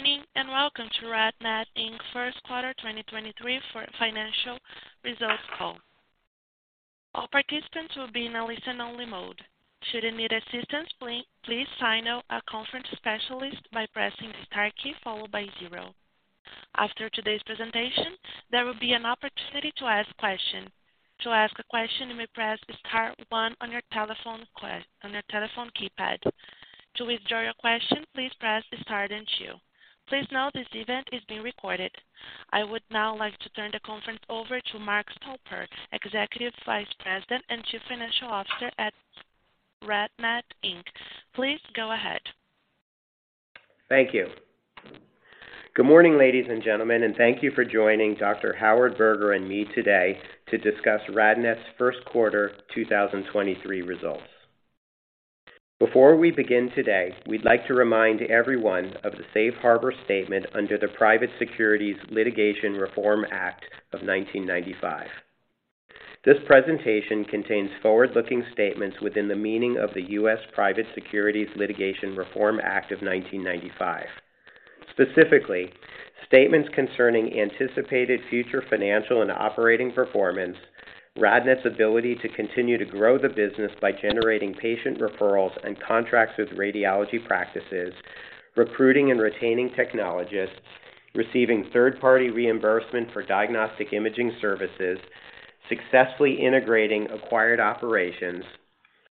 Good morning. Welcome to RadNet, Inc.'s first quarter 2023 financial results call. All participants will be in a listen-only mode. Should you need assistance, please signal a conference specialist by pressing star key followed by zero. After today's presentation, there will be an opportunity to ask questions. To ask a question, you may press star one on your telephone keypad. To withdraw your question, please press star then two. Please note this event is being recorded. I would now like to turn the conference over to Mark Stolper, Executive Vice President and Chief Financial Officer at RadNet, Inc. Please go ahead. Thank you. Good morning, ladies and gentlemen, thank you for joining Dr. Howard Berger and me today to discuss RadNet's 1st quarter 2023 results. Before we begin today, we'd like to remind everyone of the safe harbor statement under the Private Securities Litigation Reform Act of 1995. This presentation contains forward-looking statements within the meaning of the U.S. Private Securities Litigation Reform Act of 1995. Specifically, statements concerning anticipated future financial and operating performance, RadNet's ability to continue to grow the business by generating patient referrals and contracts with radiology practices, recruiting and retaining technologists, receiving third-party reimbursement for diagnostic imaging services, successfully integrating acquired operations,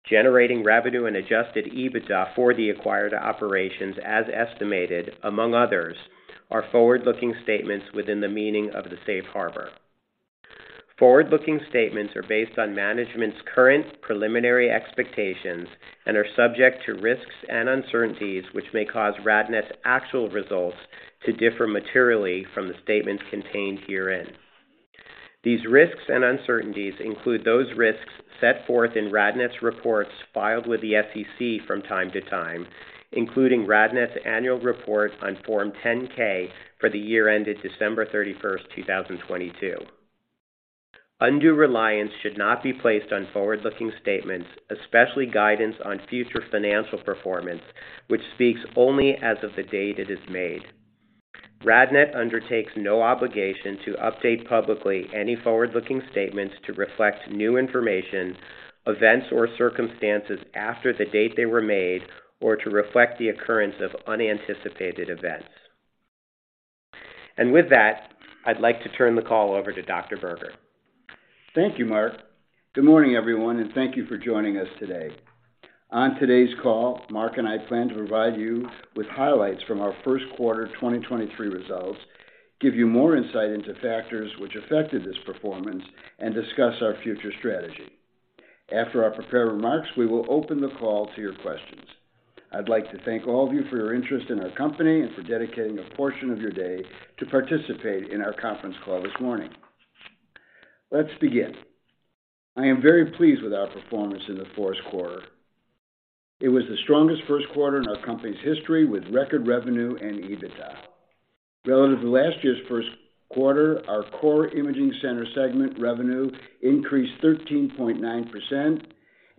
generating revenue and adjusted EBITDA for the acquired operations as estimated, among others, are forward-looking statements within the meaning of the safe harbor. Forward-looking statements are based on management's current preliminary expectations and are subject to risks and uncertainties, which may cause RadNet's actual results to differ materially from the statements contained herein. These risks and uncertainties include those risks set forth in RadNet's reports filed with the SEC from time to time, including RadNet's annual report on Form 10-K for the year ended December 31, 2022. Undue reliance should not be placed on forward-looking statements, especially guidance on future financial performance, which speaks only as of the date it is made. RadNet undertakes no obligation to update publicly any forward-looking statements to reflect new information, events or circumstances after the date they were made, or to reflect the occurrence of unanticipated events. With that, I'd like to turn the call over to Dr. Berger. Thank you, Mark. Good morning, everyone, and thank you for joining us today. On today's call, Mark and I plan to provide you with highlights from our first quarter 2023 results, give you more insight into factors which affected this performance, and discuss our future strategy. After our prepared remarks, we will open the call to your questions. I'd like to thank all of you for your interest in our company and for dedicating a portion of your day to participate in our conference call this morning. Let's begin. I am very pleased with our performance in the fourth quarter. It was the strongest first quarter in our company's history, with record revenue and EBITDA. Relative to last year's first quarter, our core imaging center segment revenue increased 13.9%,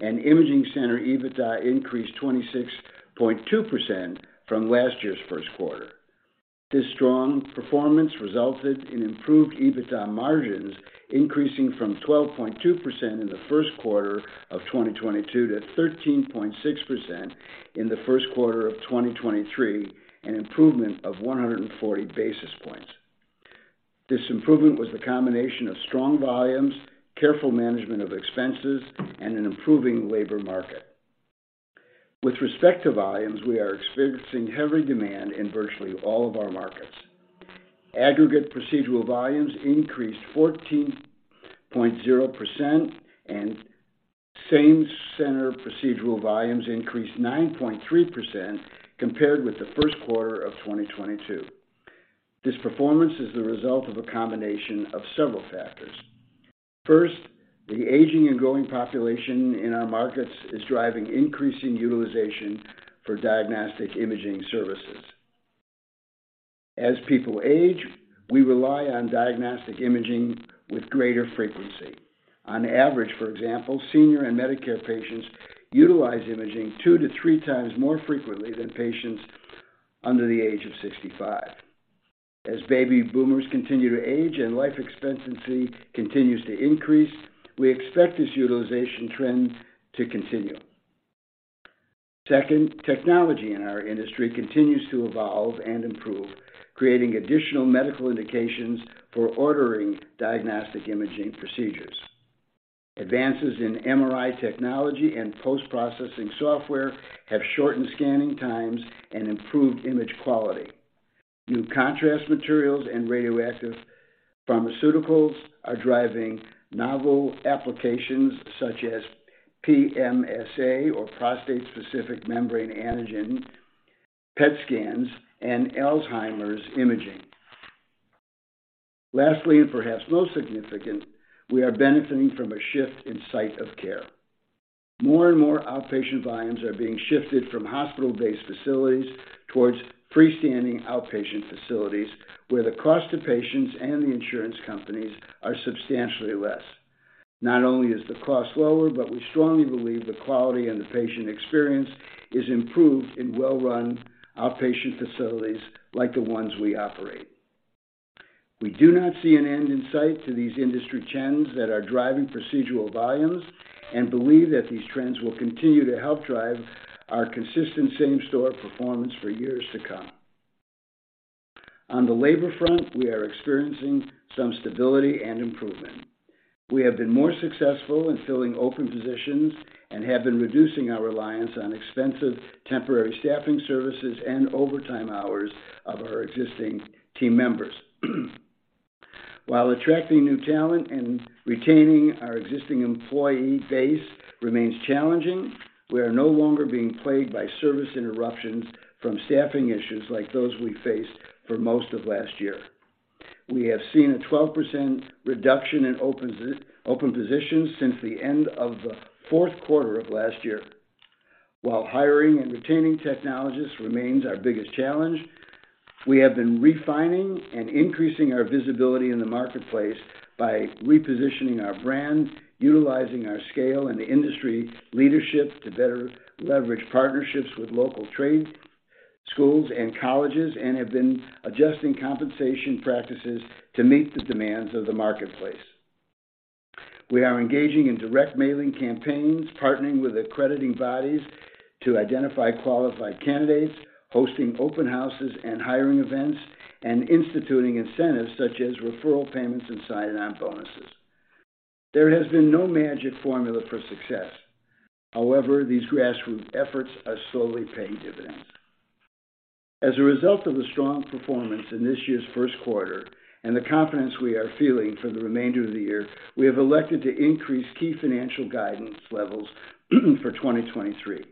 and imaging center EBITDA increased 26.2% from last year's first quarter. This strong performance resulted in improved EBITDA margins, increasing from 12.2% in the first quarter of 2022 to 13.6% in the first quarter of 2023, an improvement of 140 basis points. This improvement was the combination of strong volumes, careful management of expenses, and an improving labor market. With respect to volumes, we are experiencing heavy demand in virtually all of our markets. Aggregate procedural volumes increased 14.0%, and same center procedural volumes increased 9.3% compared with the first quarter of 2022. This performance is the result of a combination of several factors. First, the aging and growing population in our markets is driving increasing utilization for diagnostic imaging services. As people age, we rely on diagnostic imaging with greater frequency. On average, for example, senior and Medicare patients utilize imaging two to three times more frequently than patients under the age of 65. As baby boomers continue to age and life expectancy continues to increase, we expect this utilization trend to continue. Second, technology in our industry continues to evolve and improve, creating additional medical indications for ordering diagnostic imaging procedures. Advances in MRI technology and post-processing software have shortened scanning times and improved image quality. New contrast materials and radioactive pharmaceuticals are driving novel applications such as PSMA or prostate-specific membrane antigen, PET scans, and Alzheimer's imaging. Lastly, perhaps most significant, we are benefiting from a shift in site of care. More and more outpatient volumes are being shifted from hospital-based facilities towards freestanding outpatient facilities, where the cost to patients and the insurance companies are substantially less. Not only is the cost lower, but we strongly believe the quality and the patient experience is improved in well-run outpatient facilities like the ones we operate. We do not see an end in sight to these industry trends that are driving procedural volumes and believe that these trends will continue to help drive our consistent same-store performance for years to come. On the labor front, we are experiencing some stability and improvement. We have been more successful in filling open positions and have been reducing our reliance on expensive temporary staffing services and overtime hours of our existing team members. While attracting new talent and retaining our existing employee base remains challenging, we are no longer being plagued by service interruptions from staffing issues like those we faced for most of last year. We have seen a 12% reduction in open positions since the end of the fourth quarter of last year. While hiring and retaining technologists remains our biggest challenge, we have been refining and increasing our visibility in the marketplace by repositioning our brand, utilizing our scale and industry leadership to better leverage partnerships with local trade schools and colleges, and have been adjusting compensation practices to meet the demands of the marketplace. We are engaging in direct mailing campaigns, partnering with accrediting bodies to identify qualified candidates, hosting open houses and hiring events, and instituting incentives such as referral payments and sign-on bonuses. There has been no magic formula for success. These grassroots efforts are slowly paying dividends. As a result of the strong performance in this year's first quarter and the confidence we are feeling for the remainder of the year, we have elected to increase key financial guidance levels for 2023.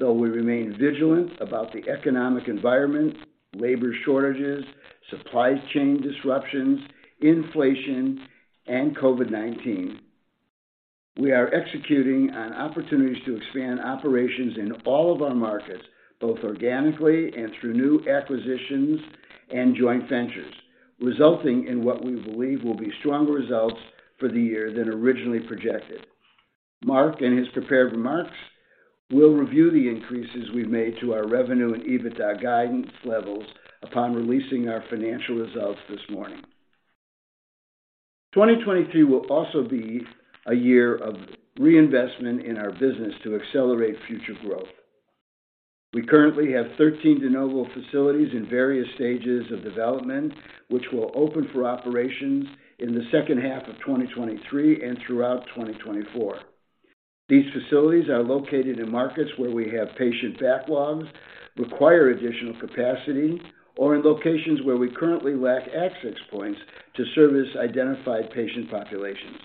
Though we remain vigilant about the economic environment, labor shortages, supply chain disruptions, inflation, and COVID-19, we are executing on opportunities to expand operations in all of our markets, both organically and through new acquisitions and joint ventures, resulting in what we believe will be stronger results for the year than originally projected. Mark, in his prepared remarks, will review the increases we've made to our revenue and EBITDA guidance levels upon releasing our financial results this morning. 2023 will also be a year of reinvestment in our business to accelerate future growth. We currently have 13 de novo facilities in various stages of development, which will open for operations in the second half of 2023 and throughout 2024. These facilities are located in markets where we have patient backlogs, require additional capacity, or in locations where we currently lack access points to service identified patient populations.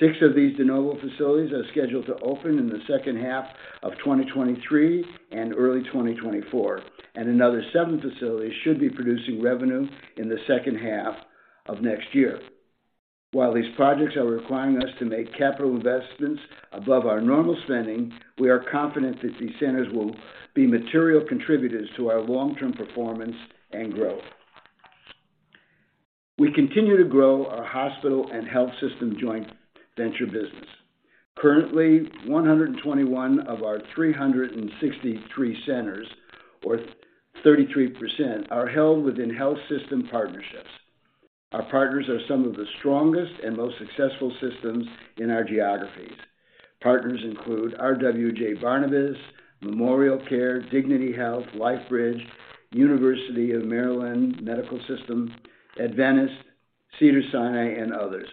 6 of these de novo facilities are scheduled to open in the second half of 2023 and early 2024, and another 7 facilities should be producing revenue in the second half of next year. While these projects are requiring us to make capital investments above our normal spending, we are confident that these centers will be material contributors to our long-term performance and growth. We continue to grow our hospital and health system joint venture business. Currently, 121 of our 363 centers, or 33%, are held within health system partnerships. Our partners are some of the strongest and most successful systems in our geographies. Partners include RWJBarnabas, MemorialCare, Dignity Health, LifeBridge, University of Maryland Medical System, Adventist, Cedars-Sinai, and others.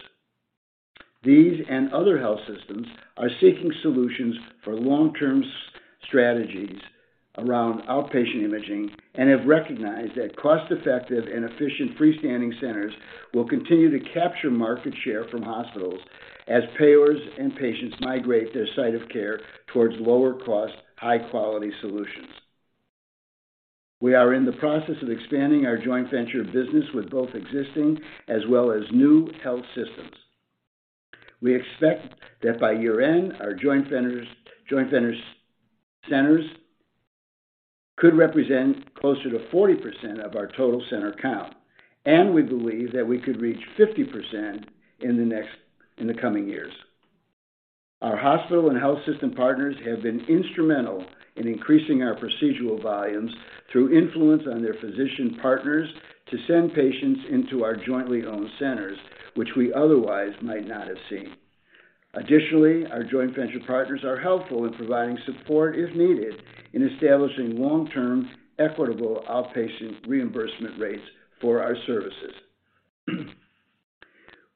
These other health systems are seeking solutions for long-term strategies around outpatient imaging and have recognized that cost-effective and efficient freestanding centers will continue to capture market share from hospitals as payers and patients migrate their site of care towards lower cost, high-quality solutions. We are in the process of expanding our joint venture business with both existing as well as new health systems. We expect that by year-end, our joint venture centers could represent closer to 40% of our total center count, and we believe that we could reach 50% in the coming years. Our hospital and health system partners have been instrumental in increasing our procedural volumes through influence on their physician partners to send patients into our jointly owned centers, which we otherwise might not have seen. Additionally, our joint venture partners are helpful in providing support, if needed, in establishing long-term, equitable outpatient reimbursement rates for our services.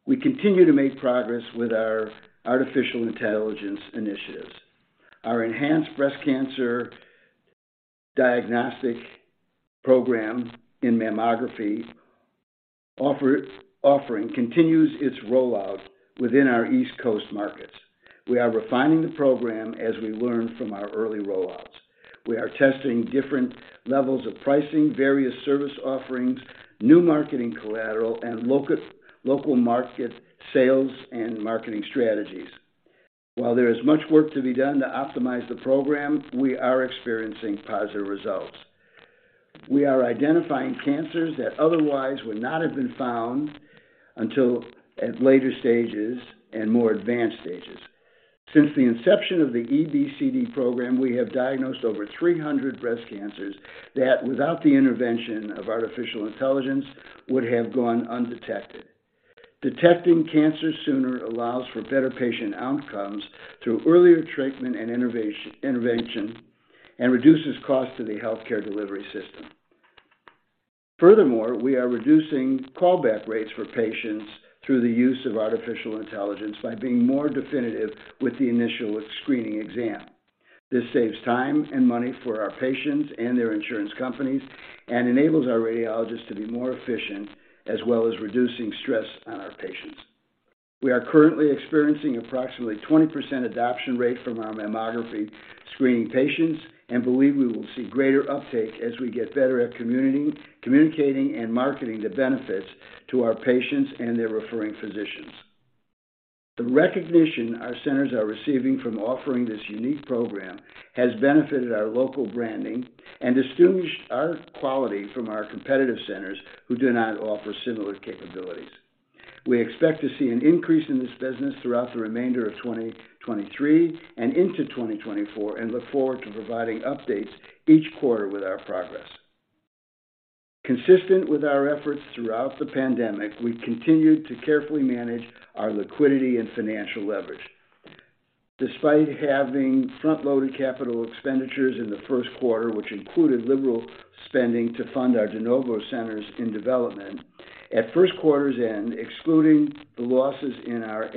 We continue to make progress with our artificial intelligence initiatives. Our Enhanced Breast Cancer Detection program in mammography offering continues its rollout within our East Coast markets. We are refining the program as we learn from our early rollouts. We are testing different levels of pricing, various service offerings, new marketing collateral, and local market sales and marketing strategies. While there is much work to be done to optimize the program, we are experiencing positive results. We are identifying cancers that otherwise would not have been found until at later stages and more advanced stages. Since the inception of the EBCD program, we have diagnosed over 300 breast cancers that without the intervention of artificial intelligence would have gone undetected. Detecting cancer sooner allows for better patient outcomes through earlier treatment and intervention, and reduces cost to the healthcare delivery system. Furthermore, we are reducing callback rates for patients through the use of artificial intelligence by being more definitive with the initial screening exam. This saves time and money for our patients and their insurance companies. Enables our radiologists to be more efficient as well as reducing stress on our patients. We are currently experiencing approximately 20% adoption rate from our mammography screening patients and believe we will see greater uptake as we get better at communicating and marketing the benefits to our patients and their referring physicians. The recognition our centers are receiving from offering this unique program has benefited our local branding and distinguished our quality from our competitive centers who do not offer similar capabilities. We expect to see an increase in this business throughout the remainder of 2023 and into 2024. Look forward to providing updates each quarter with our progress. Consistent with our efforts throughout the pandemic, we've continued to carefully manage our liquidity and financial leverage. Despite having front-loaded capital expenditures in the first quarter, which included liberal spending to fund our de novo centers in development, at first quarter's end, excluding the losses in our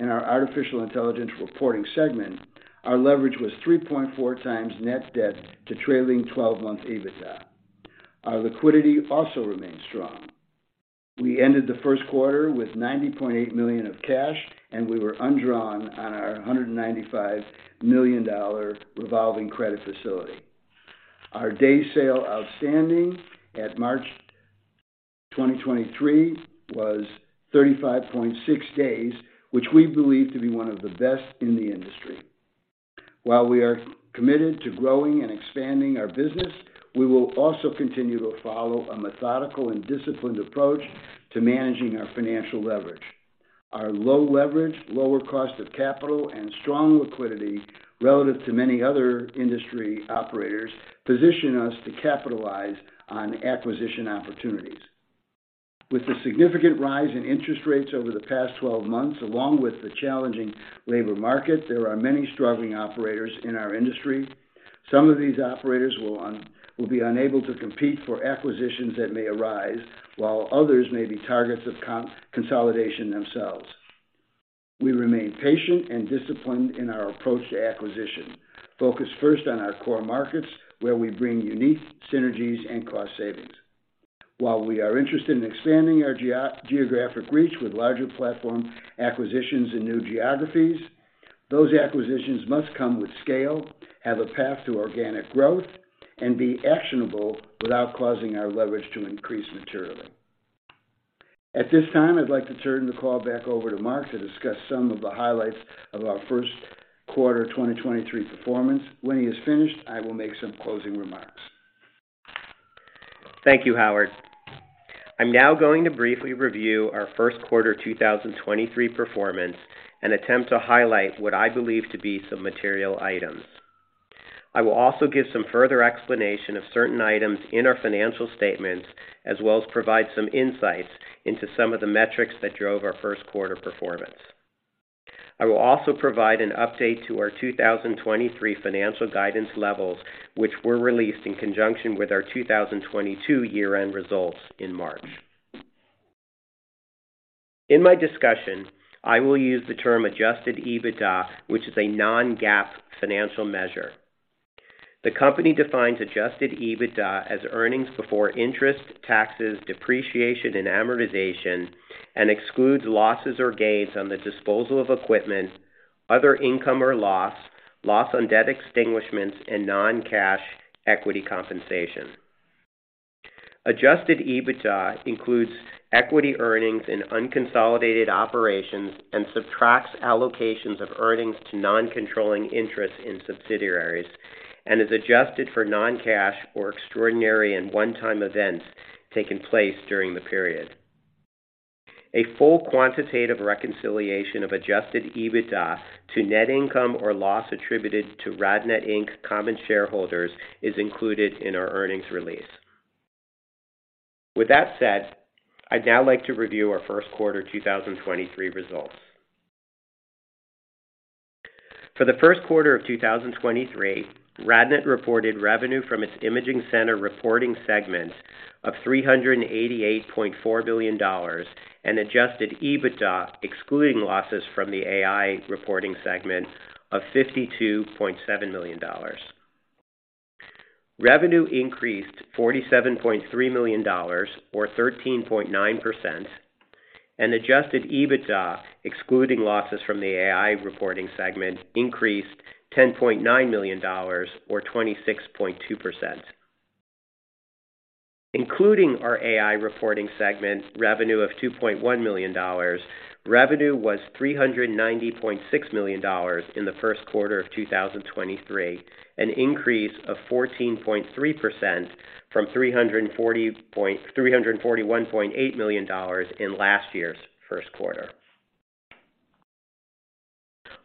artificial intelligence reporting segment, our leverage was 3.4x net debt to trailing 12-month EBITDA. Our liquidity also remains strong. We ended the first quarter with $90.8 million of cash, and we were undrawn on our $195 million revolving credit facility. Our day sales outstanding at March 2023 was 35.6 days, which we believe to be one of the best in the industry. While we are committed to growing and expanding our business, we will also continue to follow a methodical and disciplined approach to managing our financial leverage. Our low leverage, lower cost of capital, and strong liquidity relative to many other industry operators position us to capitalize on acquisition opportunities. With the significant rise in interest rates over the past 12 months, along with the challenging labor market, there are many struggling operators in our industry. Some of these operators will be unable to compete for acquisitions that may arise, while others may be targets of consolidation themselves. We remain patient and disciplined in our approach to acquisition. Focus first on our core markets, where we bring unique synergies and cost savings. While we are interested in expanding our geographic reach with larger platform acquisitions in new geographies, those acquisitions must come with scale, have a path to organic growth, and be actionable without causing our leverage to increase materially. At this time, I'd like to turn the call back over to Mark to discuss some of the highlights of our first quarter 2023 performance. When he is finished, I will make some closing remarks. Thank you, Howard. I'm now going to briefly review our first quarter 2023 performance and attempt to highlight what I believe to be some material items. I will also give some further explanation of certain items in our financial statements, as well as provide some insights into some of the metrics that drove our first quarter performance. I will also provide an update to our 2023 financial guidance levels, which were released in conjunction with our 2022 year-end results in March. In my discussion, I will use the term adjusted EBITDA, which is a non-GAAP financial measure. The company defines adjusted EBITDA as earnings before interest, taxes, depreciation, and amortization, and excludes losses or gains on the disposal of equipment, other income or loss on debt extinguishments, and non-cash equity compensation. Adjusted EBITDA includes equity earnings in unconsolidated operations and subtracts allocations of earnings to non-controlling interests in subsidiaries and is adjusted for non-cash or extraordinary and one-time events taking place during the period. A full quantitative reconciliation of adjusted EBITDA to net income or loss attributed to RadNet, Inc. common shareholders is included in our earnings release. With that said, I'd now like to review our first quarter 2023 results. For the first quarter of 2023, RadNet reported revenue from its imaging center reporting segment of $388.4 million and adjusted EBITDA, excluding losses from the AI reporting segment of $52.7 million. Revenue increased $47.3 million or 13.9%, and adjusted EBITDA, excluding losses from the AI reporting segment, increased $10.9 million or 26.2%. Including our AI reporting segment revenue of $2.1 million, revenue was $390.6 million in the first quarter of 2023, an increase of 14.3% from $341.8 million in last year's first quarter.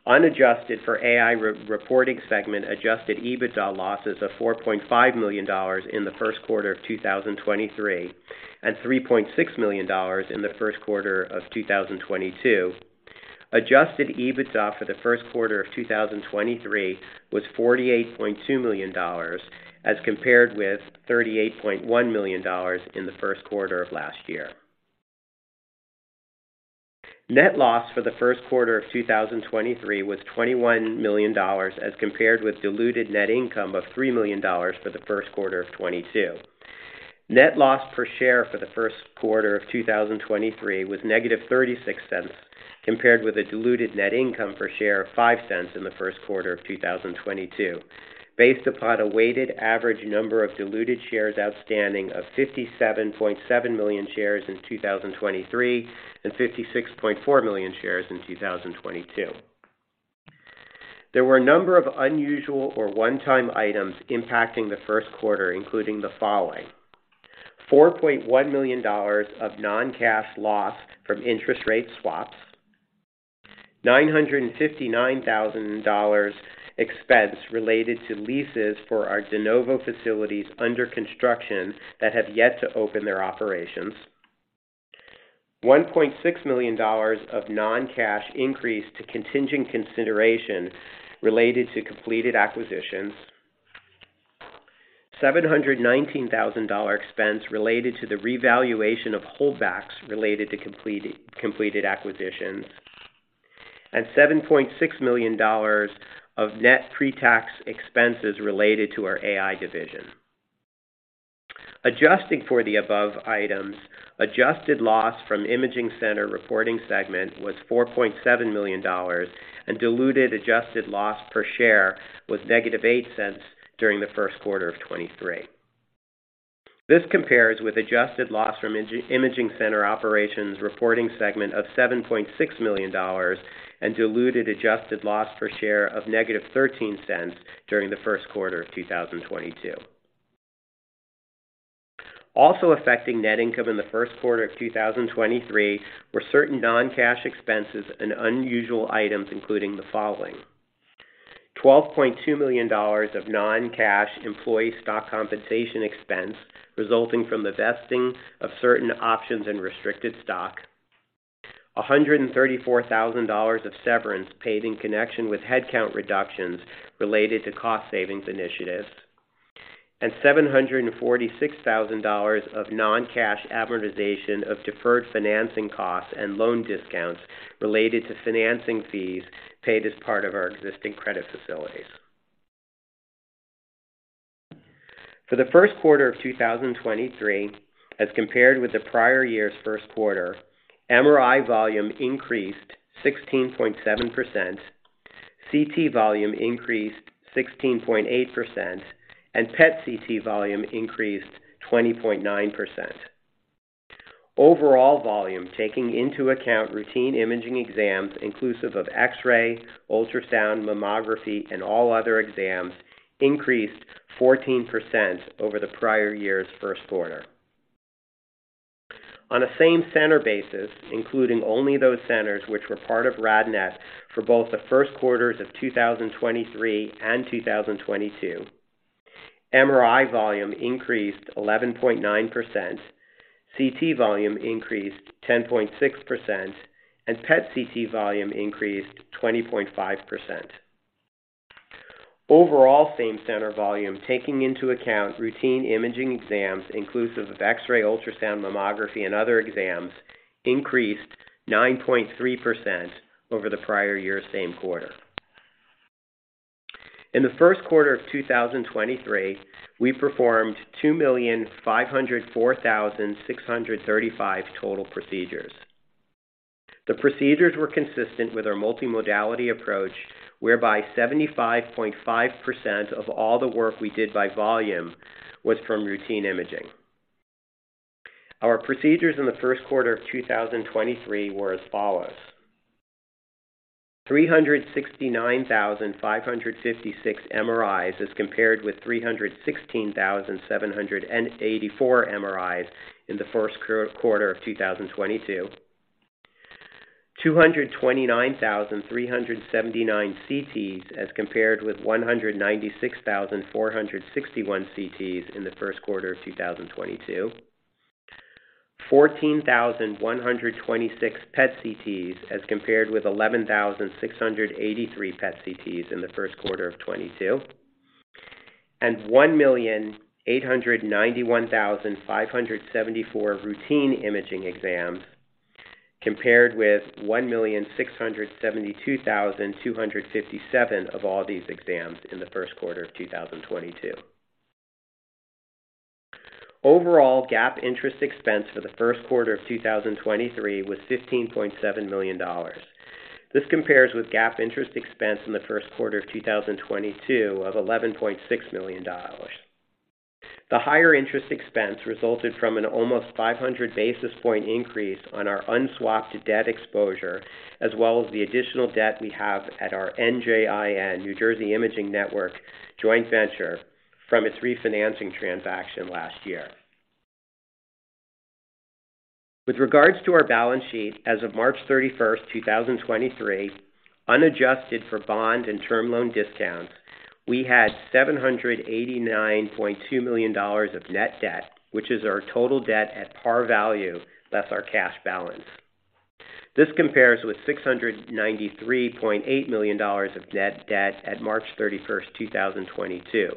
Unadjusted for AI reporting segment, adjusted EBITDA losses of $4.5 million in the first quarter of 2023, and $3.6 million in the first quarter of 2022. Adjusted EBITDA for the first quarter of 2023 was $48.2 million as compared with $38.1 million in the first quarter of last year. Net loss for the first quarter of 2023 was $21 million as compared with diluted net income of $3 million for the first quarter of 2022. Net loss per share for the first quarter of 2023 was -$0.36 compared with a diluted net income per share of $0.05 in the first quarter of 2022, based upon a weighted average number of diluted shares outstanding of 57.7 million shares in 2023 and 56.4 million shares in 2022. There were a number of unusual or one-time items impacting the first quarter, including the following: $4.1 million of non-cash loss from interest rate swaps. $959,000 expense related to leases for our de novo facilities under construction that have yet to open their operations. $1.6 million of non-cash increase to contingent consideration related to completed acquisitions. $719,000 expense related to the revaluation of holdbacks related to completed acquisitions. $7.6 million of net pre-tax expenses related to our AI division. Adjusting for the above items, adjusted loss from imaging center reporting segment was $4.7 million and diluted adjusted loss per share was negative $0.08 during the first quarter of 2023. This compares with adjusted loss from imaging center operations reporting segment of $7.6 million and diluted adjusted loss per share of -$0.13 during the first quarter of 2022. Also affecting net income in the first quarter of 2023 were certain non-cash expenses and unusual items, including the following: $12.2 million of non-cash employee stock compensation expense resulting from the vesting of certain options and restricted stock. $134,000 of severance paid in connection with headcount reductions related to cost savings initiatives. $746,000 of non-cash amortization of deferred financing costs and loan discounts related to financing fees paid as part of our existing credit facilities. For the first quarter of 2023, as compared with the prior year's first quarter, MRI volume increased 16.7%, CT volume increased 16.8%, and PET CT volume increased 20.9%. Overall volume, taking into account routine imaging exams inclusive of X-ray, ultrasound, mammography, and all other exams, increased 14% over the prior year's first quarter. On a same-center basis, including only those centers which were part of RadNet for both the first quarters of 2023 and 2022, MRI volume increased 11.9%, CT volume increased 10.6%, and PET CT volume increased 20.5%. Overall same-center volume, taking into account routine imaging exams inclusive of X-ray, ultrasound, mammography, and other exams, increased 9.3% over the prior year's same quarter. In the first quarter of 2023, we performed 2,504,635 total procedures. The procedures were consistent with our multimodality approach, whereby 75.5% of all the work we did by volume was from routine imaging. Our procedures in the first quarter of 2023 were as follows: 369,556 MRIs as compared with 316,784 MRIs in the first quarter of 2022. 229,379 CTs as compared with 196,461 CTs in the first quarter of 2022. 14,126 PET CTs as compared with 11,683 PET CTs in the first quarter of 2022. 1,891,574 routine imaging exams compared with 1,672,257 of all these exams in the first quarter of 2022. Overall, GAAP interest expense for the first quarter of 2023 was $15.7 million. This compares with GAAP interest expense in the first quarter of 2022 of $11.6 million. The higher interest expense resulted from an almost 500 basis point increase on our unswapped debt exposure, as well as the additional debt we have at our NJIN, New Jersey Imaging Network joint venture from its refinancing transaction last year. With regards to our balance sheet, as of March 31st, 2023, unadjusted for bond and term loan discounts, we had $789.2 million of net debt, which is our total debt at par value, less our cash balance. This compares with $693.8 million of net debt at March 31st, 2022.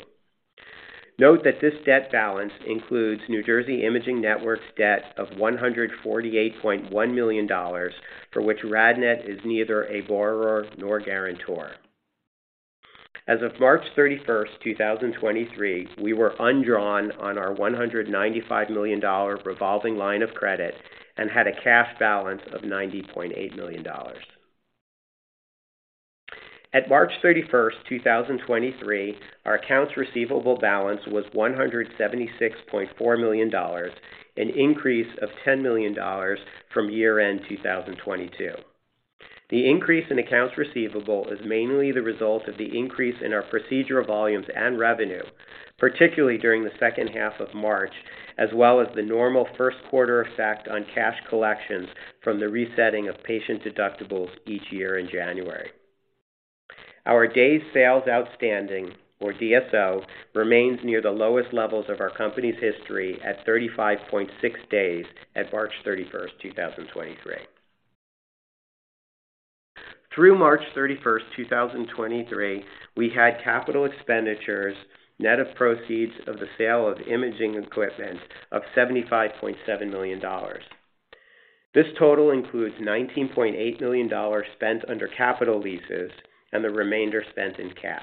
Note that this debt balance includes New Jersey Imaging Network's debt of $148.1 million, for which RadNet is neither a borrower nor guarantor. As of March 31st, 2023, we were undrawn on our $195 million revolving line of credit and had a cash balance of $90.8 million. At March 31, 2023, our accounts receivable balance was $176.4 million, an increase of $10 million from year-end 2022. The increase in accounts receivable is mainly the result of the increase in our procedural volumes and revenue, particularly during the second half of March, as well as the normal first quarter effect on cash collections from the resetting of patient deductibles each year in January. Our days sales outstanding, or DSO, remains near the lowest levels of our company's history at 35.6 days at March 31, 2023. Through March 31, 2023, we had capital expenditures net of proceeds of the sale of imaging equipment of $75.7 million. This total includes $19.8 million spent under capital leases and the remainder spent in cash.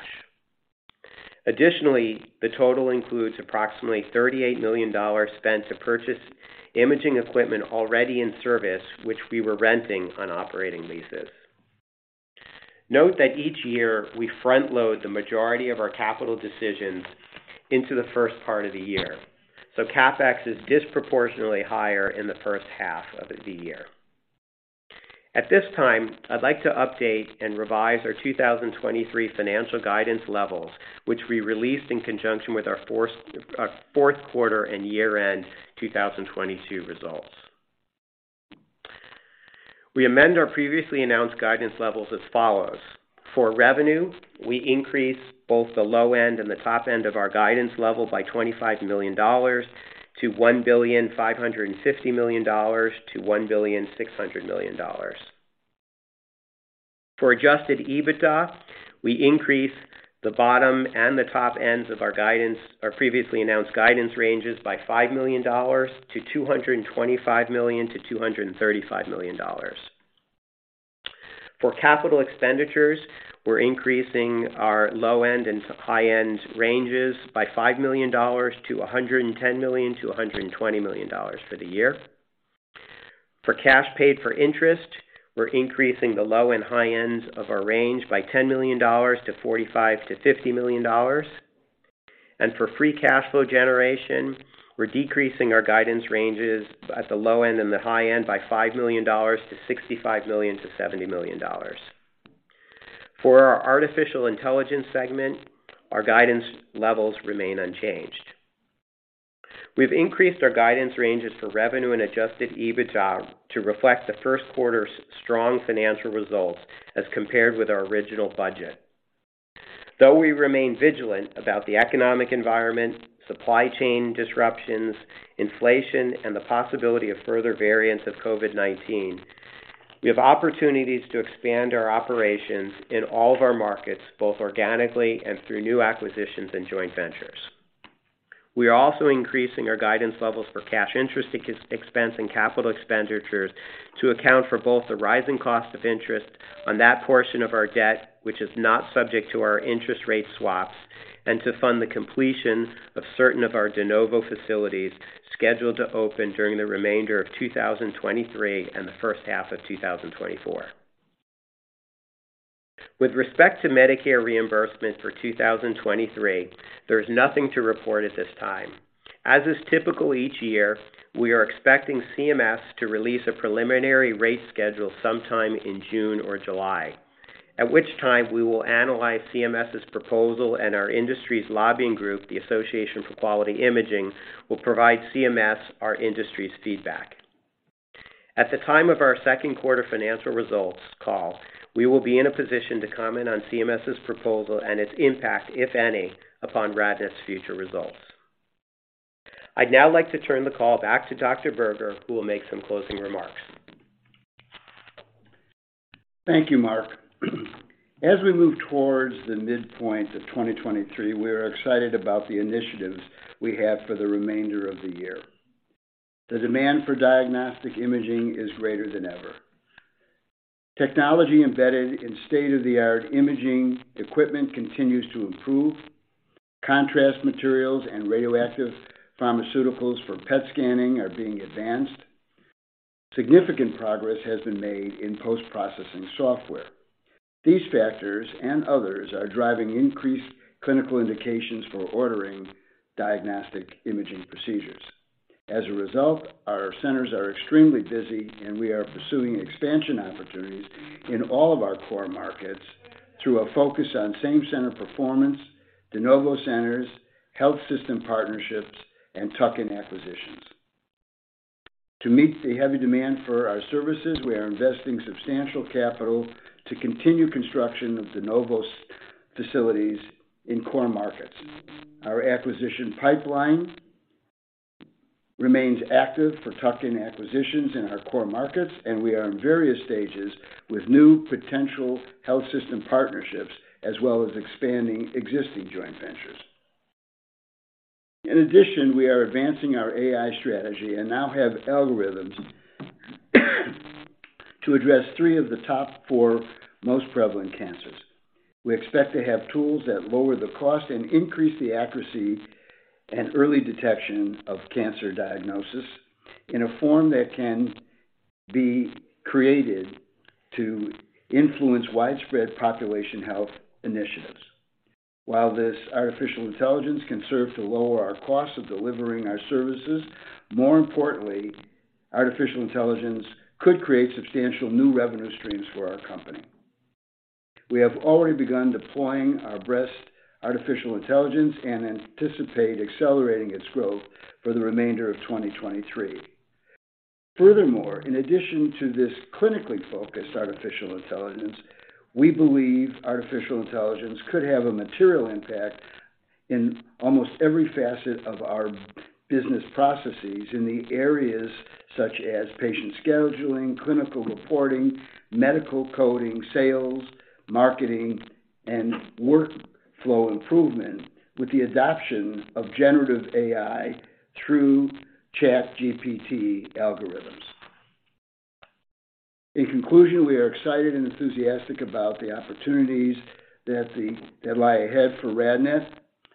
Additionally, the total includes approximately $38 million spent to purchase imaging equipment already in service, which we were renting on operating leases. Note that each year we front load the majority of our capital decisions into the first part of the year, so CapEx is disproportionately higher in the first half of the year. At this time, I'd like to update and revise our 2023 financial guidance levels, which we released in conjunction with our fourth quarter and year-end 2022 results. We amend our previously announced guidance levels as follows: For revenue, we increase both the low end and the top end of our guidance level by $25 million to $1.55 billion-$1.6 billion. For adjusted EBITDA, we increase the bottom and the top ends of our guidance, our previously announced guidance ranges by $5 million to $225 million-$235 million. For capital expenditures, we're increasing our low-end and high-end ranges by $5 million to $110 million-$120 million for the year. For cash paid for interest, we're increasing the low and high ends of our range by $10 million-$45 million-$50 million. For free cash flow generation, we're decreasing our guidance ranges at the low end and the high end by $5 million-$65 million-$70 million. For our artificial intelligence segment, our guidance levels remain unchanged. We've increased our guidance ranges for revenue and adjusted EBITDA to reflect the first quarter's strong financial results as compared with our original budget. Though we remain vigilant about the economic environment, supply chain disruptions, inflation, and the possibility of further variants of COVID-19, we have opportunities to expand our operations in all of our markets, both organically and through new acquisitions and joint ventures. We are also increasing our guidance levels for cash interest ex-expense and capital expenditures to account for both the rising cost of interest on that portion of our debt which is not subject to our interest rate swaps, and to fund the completion of certain of our de novo facilities scheduled to open during the remainder of 2023 and the first half of 2024. With respect to Medicare reimbursement for 2023, there's nothing to report at this time. As is typical each year, we are expecting CMS to release a preliminary rate schedule sometime in June or July, at which time we will analyze CMS's proposal and our industry's lobbying group, the Association for Quality Imaging, will provide CMS our industry's feedback. At the time of our second quarter financial results call, we will be in a position to comment on CMS's proposal and its impact, if any, upon RadNet's future results. I'd now like to turn the call back to Dr. Berger, who will make some closing remarks. Thank you, Mark. As we move towards the midpoint of 2023, we are excited about the initiatives we have for the remainder of the year. The demand for diagnostic imaging is greater than ever. Technology embedded in state-of-the-art imaging equipment continues to improve. Contrast materials and radioactive pharmaceuticals for PET scanning are being advanced. Significant progress has been made in post-processing software. These factors and others are driving increased clinical indications for ordering diagnostic imaging procedures. As a result, our centers are extremely busy, and we are pursuing expansion opportunities in all of our core markets through a focus on same center performance, de novo centers, health system partnerships, and tuck-in acquisitions. To meet the heavy demand for our services, we are investing substantial capital to continue construction of de novo facilities in core markets. Our acquisition pipeline remains active for tuck-in acquisitions in our core markets, and we are in various stages with new potential health system partnerships, as well as expanding existing joint ventures. We are advancing our AI strategy and now have algorithms to address 3 of the top 4 most prevalent cancers. We expect to have tools that lower the cost and increase the accuracy and early detection of cancer diagnosis in a form that can be created to influence widespread population health initiatives. This artificial intelligence can serve to lower our cost of delivering our services, more importantly, artificial intelligence could create substantial new revenue streams for our company. We have already begun deploying our breast artificial intelligence and anticipate accelerating its growth for the remainder of 2023. Furthermore, in addition to this clinically focused artificial intelligence, we believe artificial intelligence could have a material impact in almost every facet of our business processes in the areas such as patient scheduling, clinical reporting, medical coding, sales, marketing, and workflow improvement with the adoption of generative AI through ChatGPT algorithms. In conclusion, we are excited and enthusiastic about the opportunities that lie ahead for RadNet,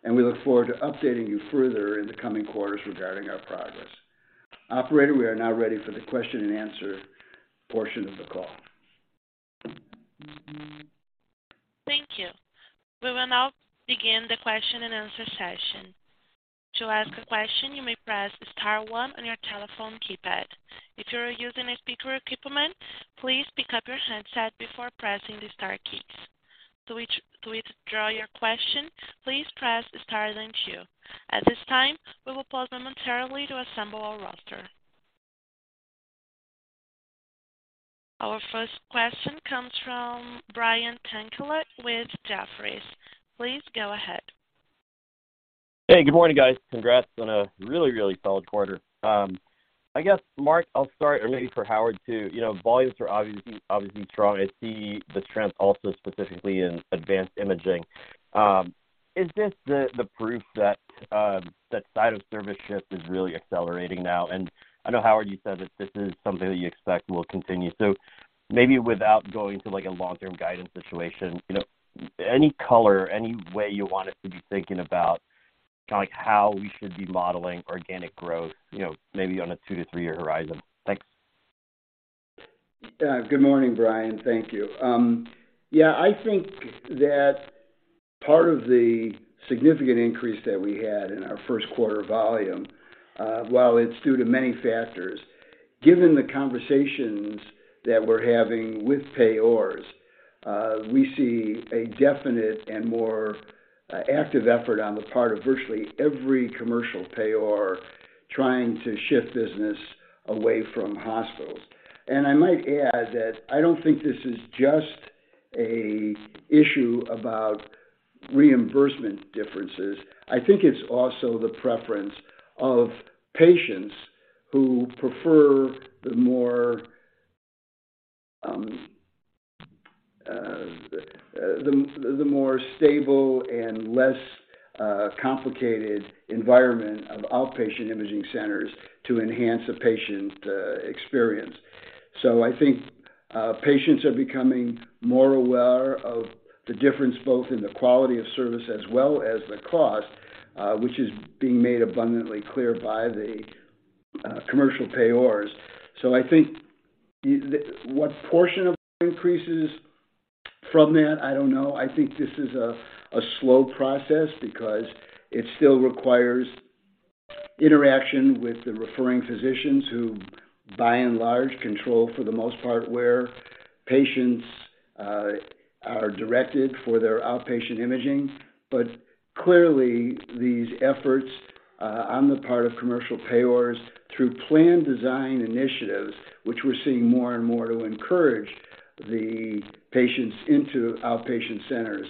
and we look forward to updating you further in the coming quarters regarding our progress. Operator, we are now ready for the question and answer portion of the call. Thank you. We will now begin the question and answer session. To ask a question, you may press star one on your telephone keypad. If you are using a speaker equipment, please pick up your handset before pressing the star keys. To withdraw your question, please press star then two. At this time, we will pause momentarily to assemble our roster. Our first question comes from Brian Tanquilut with Jefferies. Please go ahead. Hey, good morning, guys. Congrats on a really solid quarter. I guess, Mark, I'll start, or maybe for Howard too. You know, volumes are obviously strong. I see the trends also specifically in advanced imaging. Is this the proof that site of service shift is really accelerating now? I know, Howard, you said that this is something that you expect will continue. Maybe without going to, like, a long-term guidance situation, you know, any color, any way you want us to be thinking about, like, how we should be modeling organic growth, you know, maybe on a two to three year horizon. Thanks. Good morning, Brian. Thank you. Yeah, I think that part of the significant increase that we had in our first quarter volume, while it's due to many factors, given the conversations that we're having with payers, we see a definite and more active effort on the part of virtually every commercial payer trying to shift business away from hospitals. I might add that I don't think this is just a issue about reimbursement differences. I think it's also the preference of patients who prefer the more, the more stable and less complicated environment of outpatient imaging centers to enhance a patient's experience. I think patients are becoming more aware of the difference, both in the quality of service as well as the cost, which is being made abundantly clear by the commercial payers. I think what portion of increases from that, I don't know. I think this is a slow process because it still requires interaction with the referring physicians who, by and large, control for the most part, where patients are directed for their outpatient imaging. Clearly, these efforts on the part of commercial payers through plan design initiatives, which we're seeing more and more to encourage the patients into outpatient centers,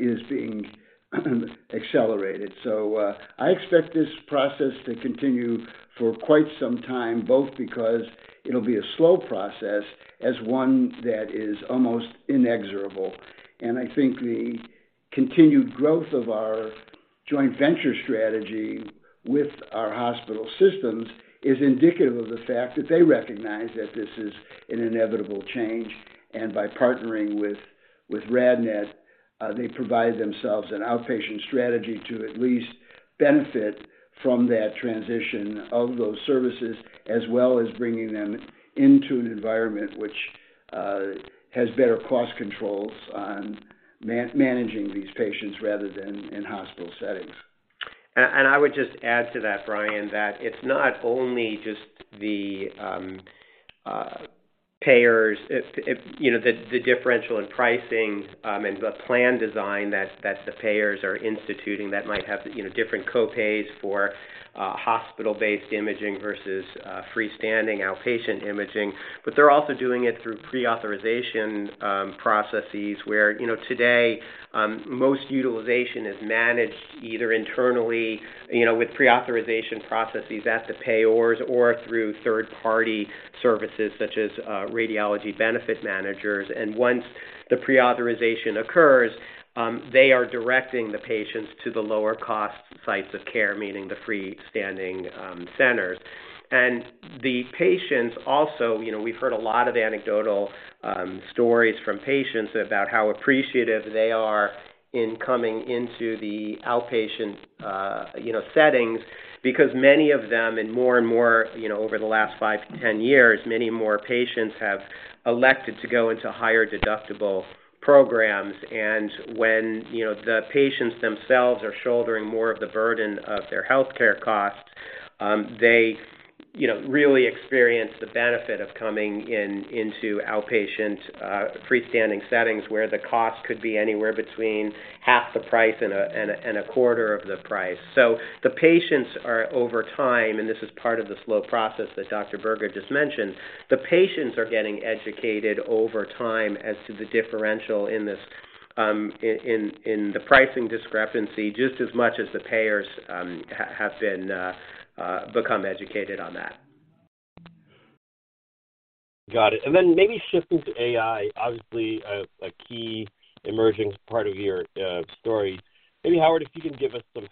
is being accelerated. I expect this process to continue for quite some time, both because it'll be a slow process as one that is almost inexorable. I think the continued growth of our joint venture strategy with our hospital systems is indicative of the fact that they recognize that this is an inevitable change, and by partnering with RadNet, they provide themselves an outpatient strategy to at least benefit from that transition of those services, as well as bringing them into an environment which has better cost controls on man-managing these patients rather than in hospital settings. I would just add to that, Brian, that it's not only just the payers, it, you know, the differential in pricing and the plan design that the payers are instituting that might have, you know, different co-pays for hospital-based imaging versus freestanding outpatient imaging. They're also doing it through pre-authorization processes where, you know, today, most utilization is managed either internally, you know, with pre-authorization processes at the payers or through third-party services such as radiology benefit managers. Once the pre-authorization occurs, they are directing the patients to the lower cost sites of care, meaning the freestanding centers. The patients also, you know, we've heard a lot of anecdotal stories from patients about how appreciative they are in coming into the outpatient, you know, settings, because many of them, and more and more, you know, over the last five-10 years, many more patients have elected to go into higher deductible programs. When, you know, the patients themselves are shouldering more of the burden of their healthcare costs, they, you know, really experience the benefit of coming in, into outpatient, freestanding settings where the cost could be anywhere between half the price and a, and a, and a quarter of the price. The patients are over time, and this is part of the slow process that Dr. Berger just mentioned, the patients are getting educated over time as to the differential in this, in the pricing discrepancy just as much as the payers, have been, become educated on that. Got it. Then maybe shifting to AI, obviously a key emerging part of your story. Maybe Howard, if you can give us some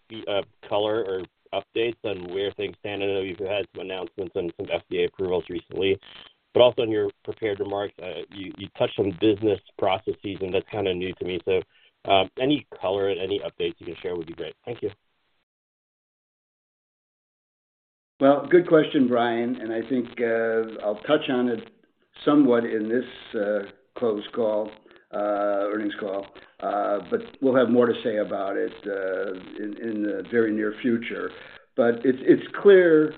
color or updates on where things stand. I know you've had some announcements and some FDA approvals recently, but also in your prepared remarks, you touched on business processes, and that's kind of new to me. Any color and any updates you can share would be great. Thank you. Well, good question, Brian. I think I'll touch on it somewhat in this closed call, earnings call. We'll have more to say about it in the very near future. It's clear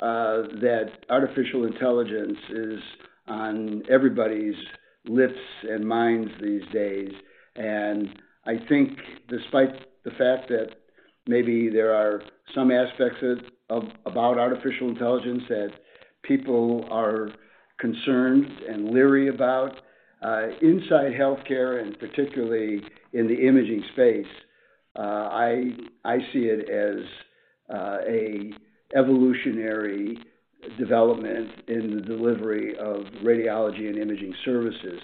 that artificial intelligence is on everybody's lips and minds these days. I think despite the fact that maybe there are some aspects of, about artificial intelligence that people are concerned and leery about inside healthcare, and particularly in the imaging space, I see it as a evolutionary development in the delivery of radiology and imaging services.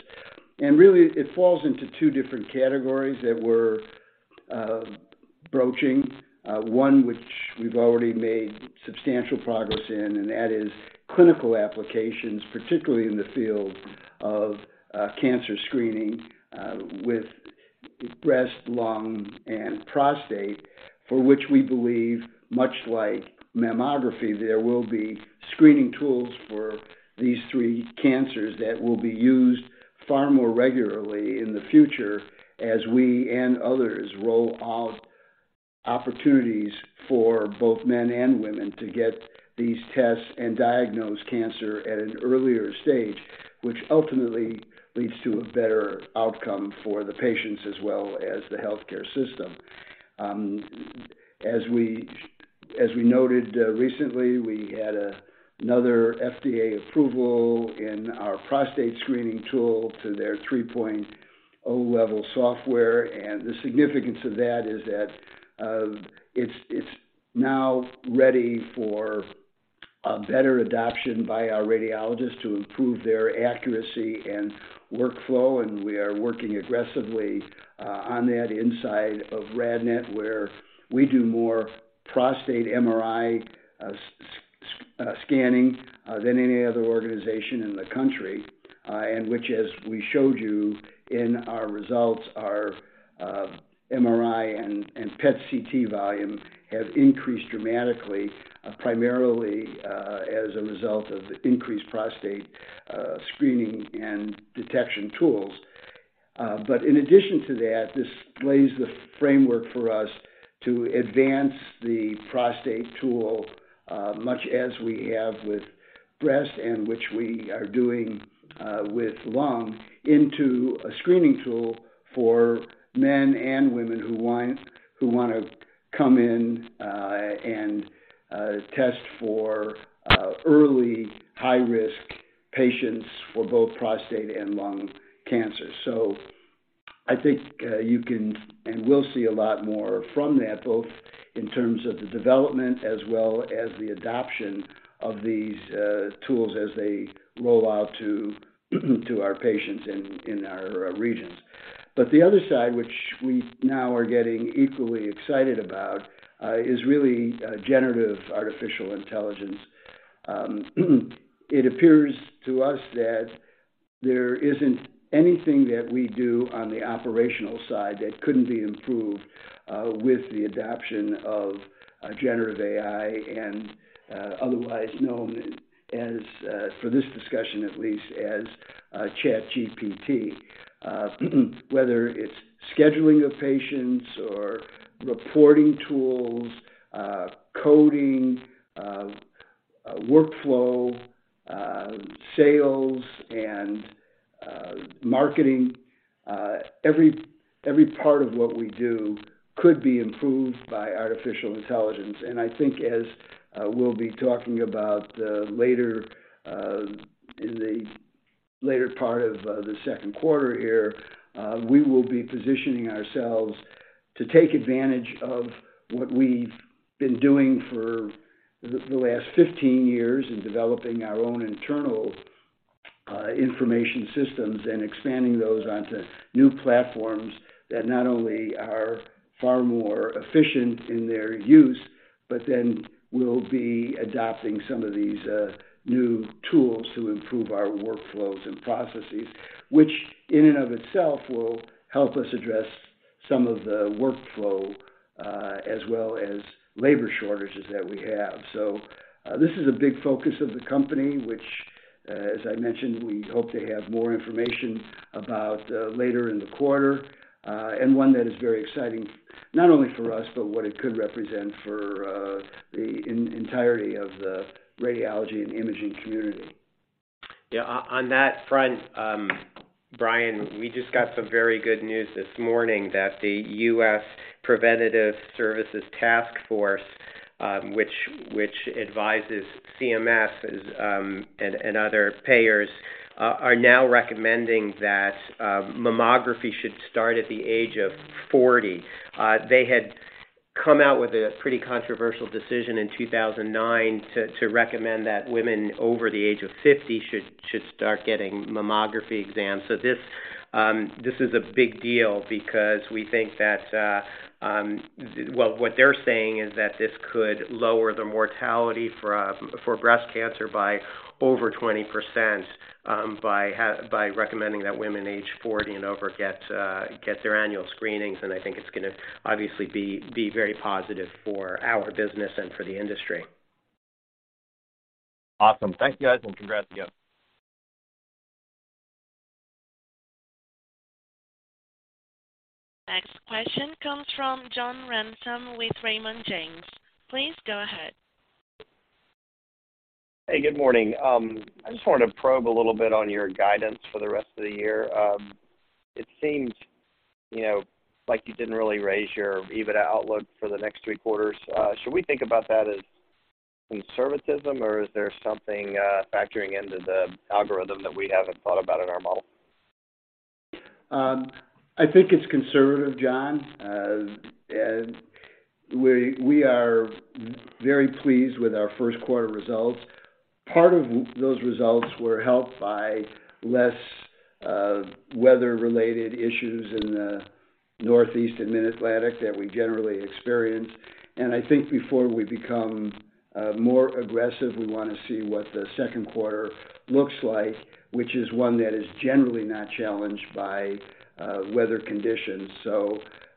Really, it falls into two different categories that we're broaching. One which we've already made substantial progress in, and that is clinical applications, particularly in the field of cancer screening, with breast, lung, and prostate, for which we believe, much like mammography, there will be screening tools for these three cancers that will be used far more regularly in the future as we and others roll out opportunities for both men and women to get these tests and diagnose cancer at an earlier stage, which ultimately leads to a better outcome for the patients as well as the healthcare system. As we, as we noted recently, we had another FDA approval in our prostate screening tool to their 3.0 level software. The significance of that is that it's now ready for a better adoption by our radiologists to improve their accuracy and workflow, and we are working aggressively on that inside of RadNet, where we do more prostate MRI scanning than any other organization in the country, and which, as we showed you in our results, our MRI and PET CT volume has increased dramatically, primarily as a result of increased prostate screening and detection tools. In addition to that, this lays the framework for us to advance the prostate tool, much as we have with breast and which we are doing with lung, into a screening tool for men and women who wanna come in and test for early high-risk patients for both prostate and lung cancer. I think you can, and will see a lot more from that, both in terms of the development as well as the adoption of these tools as they roll out to our patients in our regions. The other side, which we now are getting equally excited about, is really generative artificial intelligence. It appears to us that there isn't anything that we do on the operational side that couldn't be improved with the adoption of a generative AI and otherwise known as, for this discussion at least, as ChatGPT. Whether it's scheduling of patients or reporting tools, coding, workflow, sales and marketing, every part of what we do could be improved by artificial intelligence. I think as we'll be talking about later, in the later part of the second quarter here, we will be positioning ourselves to take advantage of what we've been doing for the last 15 years in developing our own internal information systems and expanding those onto new platforms that not only are far more efficient in their use, but then we'll be adopting some of these new tools to improve our workflows and processes, which in and of itself will help us address some of the workflow, as well as labor shortages that we have. This is a big focus of the company, which, as I mentioned, we hope to have more information about later in the quarter. One that is very exciting, not only for us, but what it could represent for the entirety of the radiology and imaging community. On that front, Brian, we just got some very good news this morning that the U.S. Preventive Services Task Force, which advises CMS, and other payers, are now recommending that mammography should start at the age of 40. They had come out with a pretty controversial decision in 2009 to recommend that women over the age of 50 should start getting mammography exams. This is a big deal because we think that what they're saying is that this could lower the mortality for breast cancer by over 20%, by recommending that women age 40 and over get their annual screenings. I think it's gonna obviously be very positive for our business and for the industry. Awesome. Thank you, guys, and congrats again. Next question comes from John Ransom with Raymond James. Please go ahead. Hey, good morning. I just wanted to probe a little bit on your guidance for the rest of the year. It seems, you know, like you didn't really raise your EBITDA outlook for the next three quarters. Should we think about that as conservatism, or is there something factoring into the algorithm that we haven't thought about in our model? I think it's conservative, John. We are very pleased with our first quarter results. Part of those results were helped by less weather-related issues in the Northeast and Mid-Atlantic that we generally experience. I think before we become more aggressive, we wanna see what the second quarter looks like, which is one that is generally not challenged by weather conditions.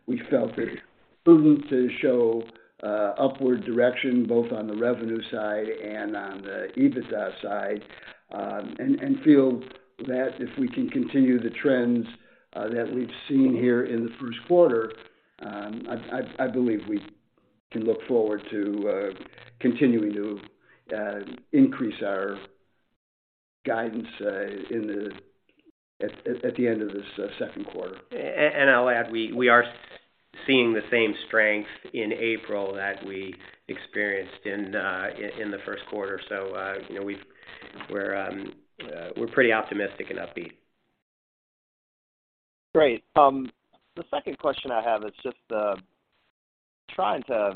We felt it prudent to show upward direction both on the revenue side and on the EBITDA side. Feel that if we can continue the trends that we've seen here in the first quarter, I believe we can look forward to continuing to increase our guidance in the at the end of this second quarter. I'll add, we are seeing the same strength in April that we experienced in the first quarter. You know, we're pretty optimistic and upbeat. Great. The second question I have is just trying to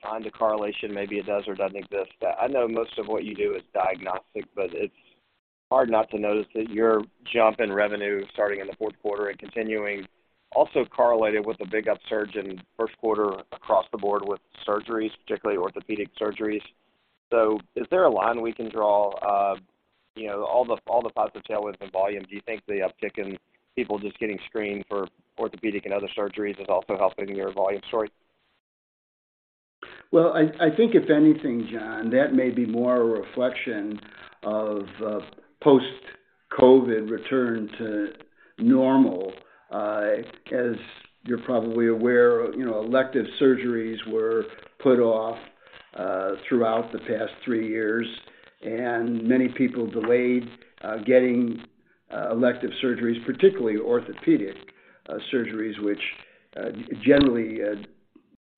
find a correlation, maybe it does or doesn't exist. I know most of what you do is diagnostic, but it's hard not to notice that your jump in revenue starting in the fourth quarter and continuing also correlated with the big upsurge in first quarter across the board with surgeries, particularly orthopedic surgeries. Is there a line we can draw? You know, all the, all the positive tailwinds and volume, do you think the uptick in people just getting screened for orthopedic and other surgeries is also helping your volume story? Well, I think if anything, John, that may be more a reflection of a post-COVID return to normal. As you're probably aware, you know, elective surgeries were put off throughout the past three years, and many people delayed getting elective surgeries, particularly orthopedic surgeries, which generally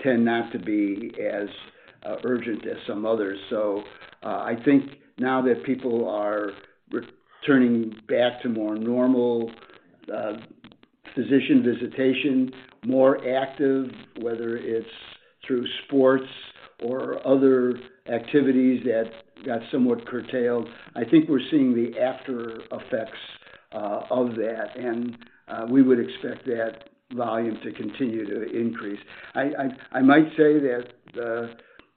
tend not to be as urgent as some others. I think now that people are returning back to more normal physician visitation, more active, whether it's through sports or other activities that got somewhat curtailed, I think we're seeing the after effects of that, and we would expect that volume to continue to increase. I might say that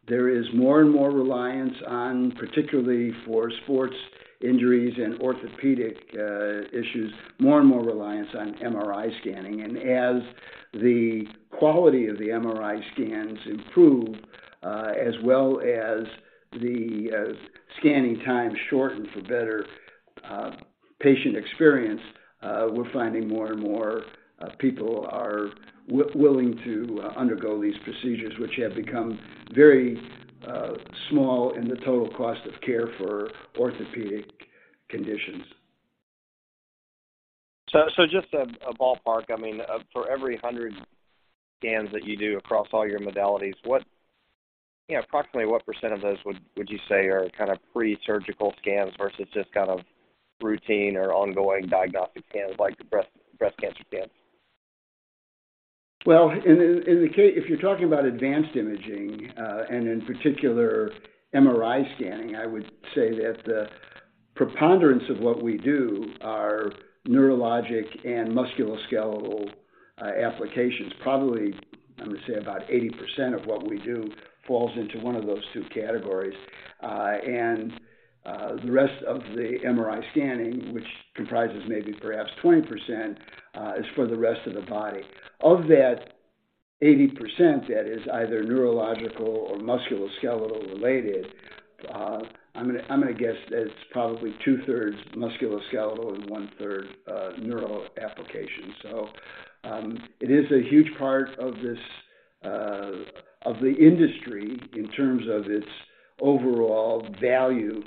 there is more and more reliance on, particularly for sports injuries and orthopedic issues, more and more reliance on MRI scanning. As the quality of the MRI scans improve, as well as the scanning time shortens for better patient experience, we're finding more and more people are willing to undergo these procedures, which have become very small in the total cost of care for orthopedic conditions. Just a ballpark. I mean, for every 100 scans that you do across all your modalities, you know, approximately what % of those would you say are kind of pre-surgical scans versus just kind of routine or ongoing diagnostic scans, like breast cancer scans? Well, if you're talking about advanced imaging, and in particular, MRI scanning, I would say that the preponderance of what we do are neurologic and musculoskeletal applications. Probably, I'm gonna say about 80% of what we do falls into one of those two categories. The rest of the MRI scanning, which comprises maybe perhaps 20%, is for the rest of the body. Of that 80% that is either neurological or musculoskeletal related, I'm gonna guess it's probably two-thirds musculoskeletal and one-third neural applications. It is a huge part of this of the industry in terms of its overall value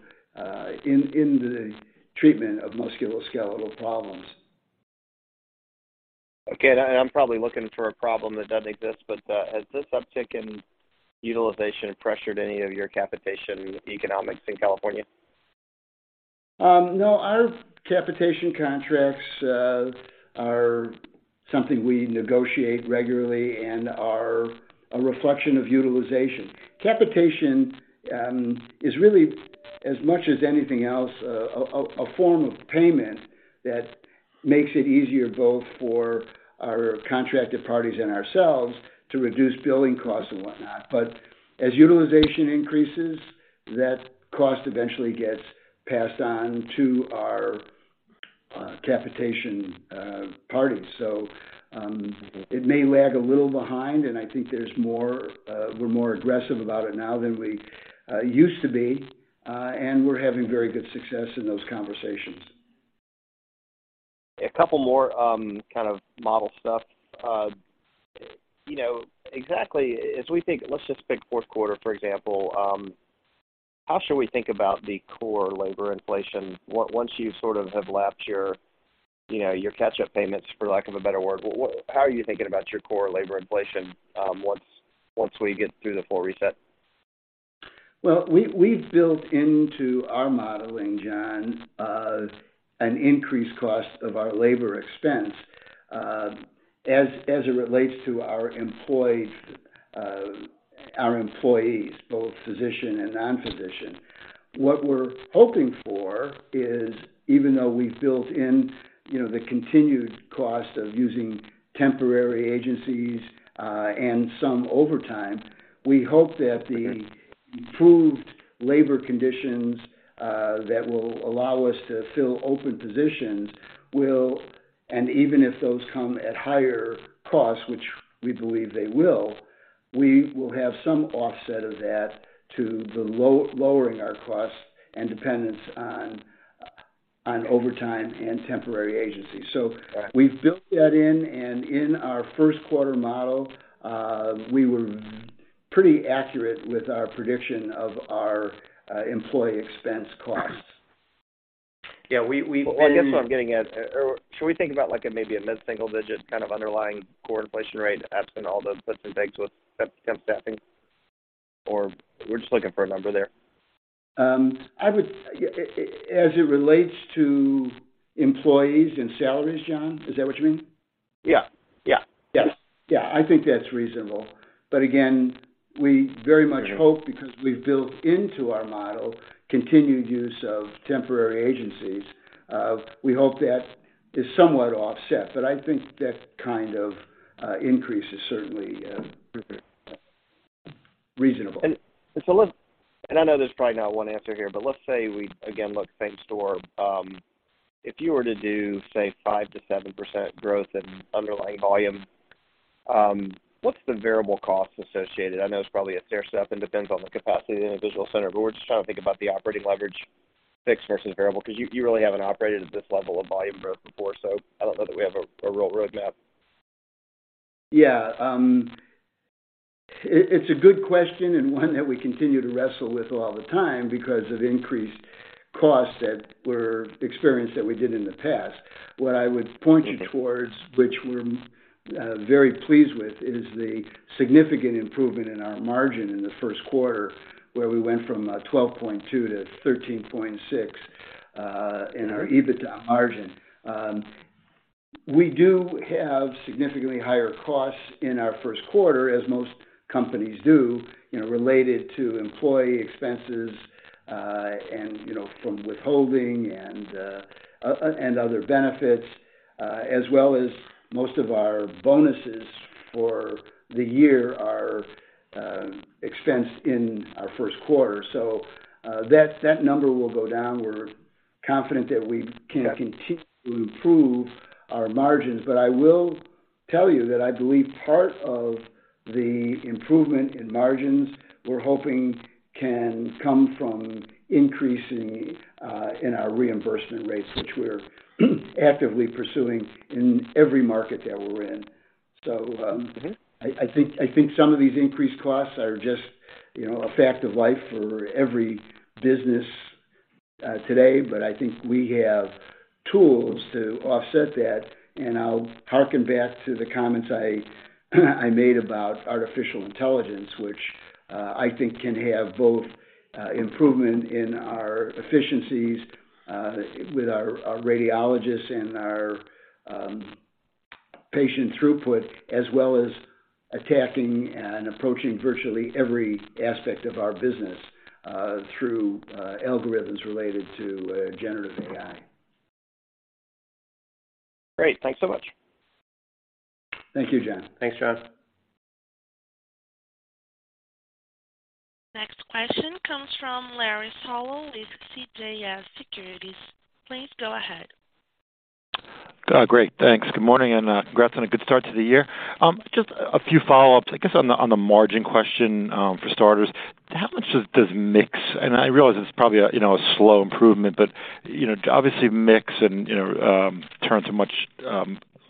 in the treatment of musculoskeletal problems. Okay. I'm probably looking for a problem that doesn't exist, but, has this uptick in utilization pressured any of your capitation economics in California? No. Our capitation contracts are something we negotiate regularly and are a reflection of utilization. Capitation is really, as much as anything else, a form of payment that makes it easier both for our contracted parties and ourselves to reduce billing costs and whatnot. As utilization increases, that cost eventually gets passed on to our capitation parties. It may lag a little behind, and I think there's more, we're more aggressive about it now than we used to be. We're having very good success in those conversations. A couple more, kind of model stuff. You know, Let's just pick 4th quarter, for example, how should we think about the core labor inflation? Once you sort of have lapped your, you know, your catch-up payments, for lack of a better word, how are you thinking about your core labor inflation, once we get through the full reset? Well, we've built into our modeling, John, an increased cost of our labor expense, as it relates to our employed, our employees, both physician and non-physician. What we're hoping for is, even though we've built in, you know, the continued cost of using temporary agencies, and some overtime, we hope that the improved labor conditions that will allow us to fill open positions. Even if those come at higher cost, which we believe they will, we will have some offset of that to the lowering our costs and dependence on overtime and temporary agencies. Right... we've built that in, and in our first quarter model, we were pretty accurate with our prediction of our employee expense costs. Yeah. Well, I guess what I'm getting at, or should we think about like a maybe a mid-single digit kind of underlying core inflation rate absent all the puts and takes with temp staffing? We're just looking for a number there. As it relates to employees and salaries, John, is that what you mean? Yeah. Yeah. Yes. Yeah, I think that's reasonable. Again, we very much hope because we've built into our model continued use of temporary agencies, we hope that is somewhat offset. I think that kind of, increase is certainly, reasonable. I know there's probably not one answer here, but let's say we again look same store. If you were to do, say, 5%-7% growth in underlying volume, what's the variable cost associated? I know it's probably a fair step and depends on the capacity of the individual center, but we're just trying to think about the operating leverage fixed versus variable. You really haven't operated at this level of volume growth before, so I don't know that we have a real roadmap. Yeah. It's a good question and one that we continue to wrestle with all the time because of increased costs that were experienced that we didn't in the past. What I would point you towards, which we're very pleased with, is the significant improvement in our margin in the first quarter, where we went from 12.2% to 13.6% in our EBITDA margin. We do have significantly higher costs in our first quarter, as most companies do, you know, related to employee expenses, and, you know, from withholding and other benefits, as well as most of our bonuses for the year are expensed in our first quarter. That number will go down. We're confident that we can continue to improve our margins. I will tell you that I believe part of the improvement in margins we're hoping can come from increasing in our reimbursement rates, which we're actively pursuing in every market that we're in. I think some of these increased costs are just, you know, a fact of life for every business today. I think we have tools to offset that, and I'll harken back to the comments I made about artificial intelligence, which I think can have both improvement in our efficiencies with our radiologists and our patient throughput, as well as attacking and approaching virtually every aspect of our business through algorithms related to generative AI. Great. Thanks so much. Thank you, John. Thanks, John. Next question comes from Larry Solow with CJS Securities. Please go ahead. Great. Thanks. Good morning, congrats on a good start to the year. Just a few follow-ups, I guess, on the margin question, for starters. How much does mix, and I realize it's probably a, you know, a slow improvement, but, you know, obviously mix and, you know, turn to much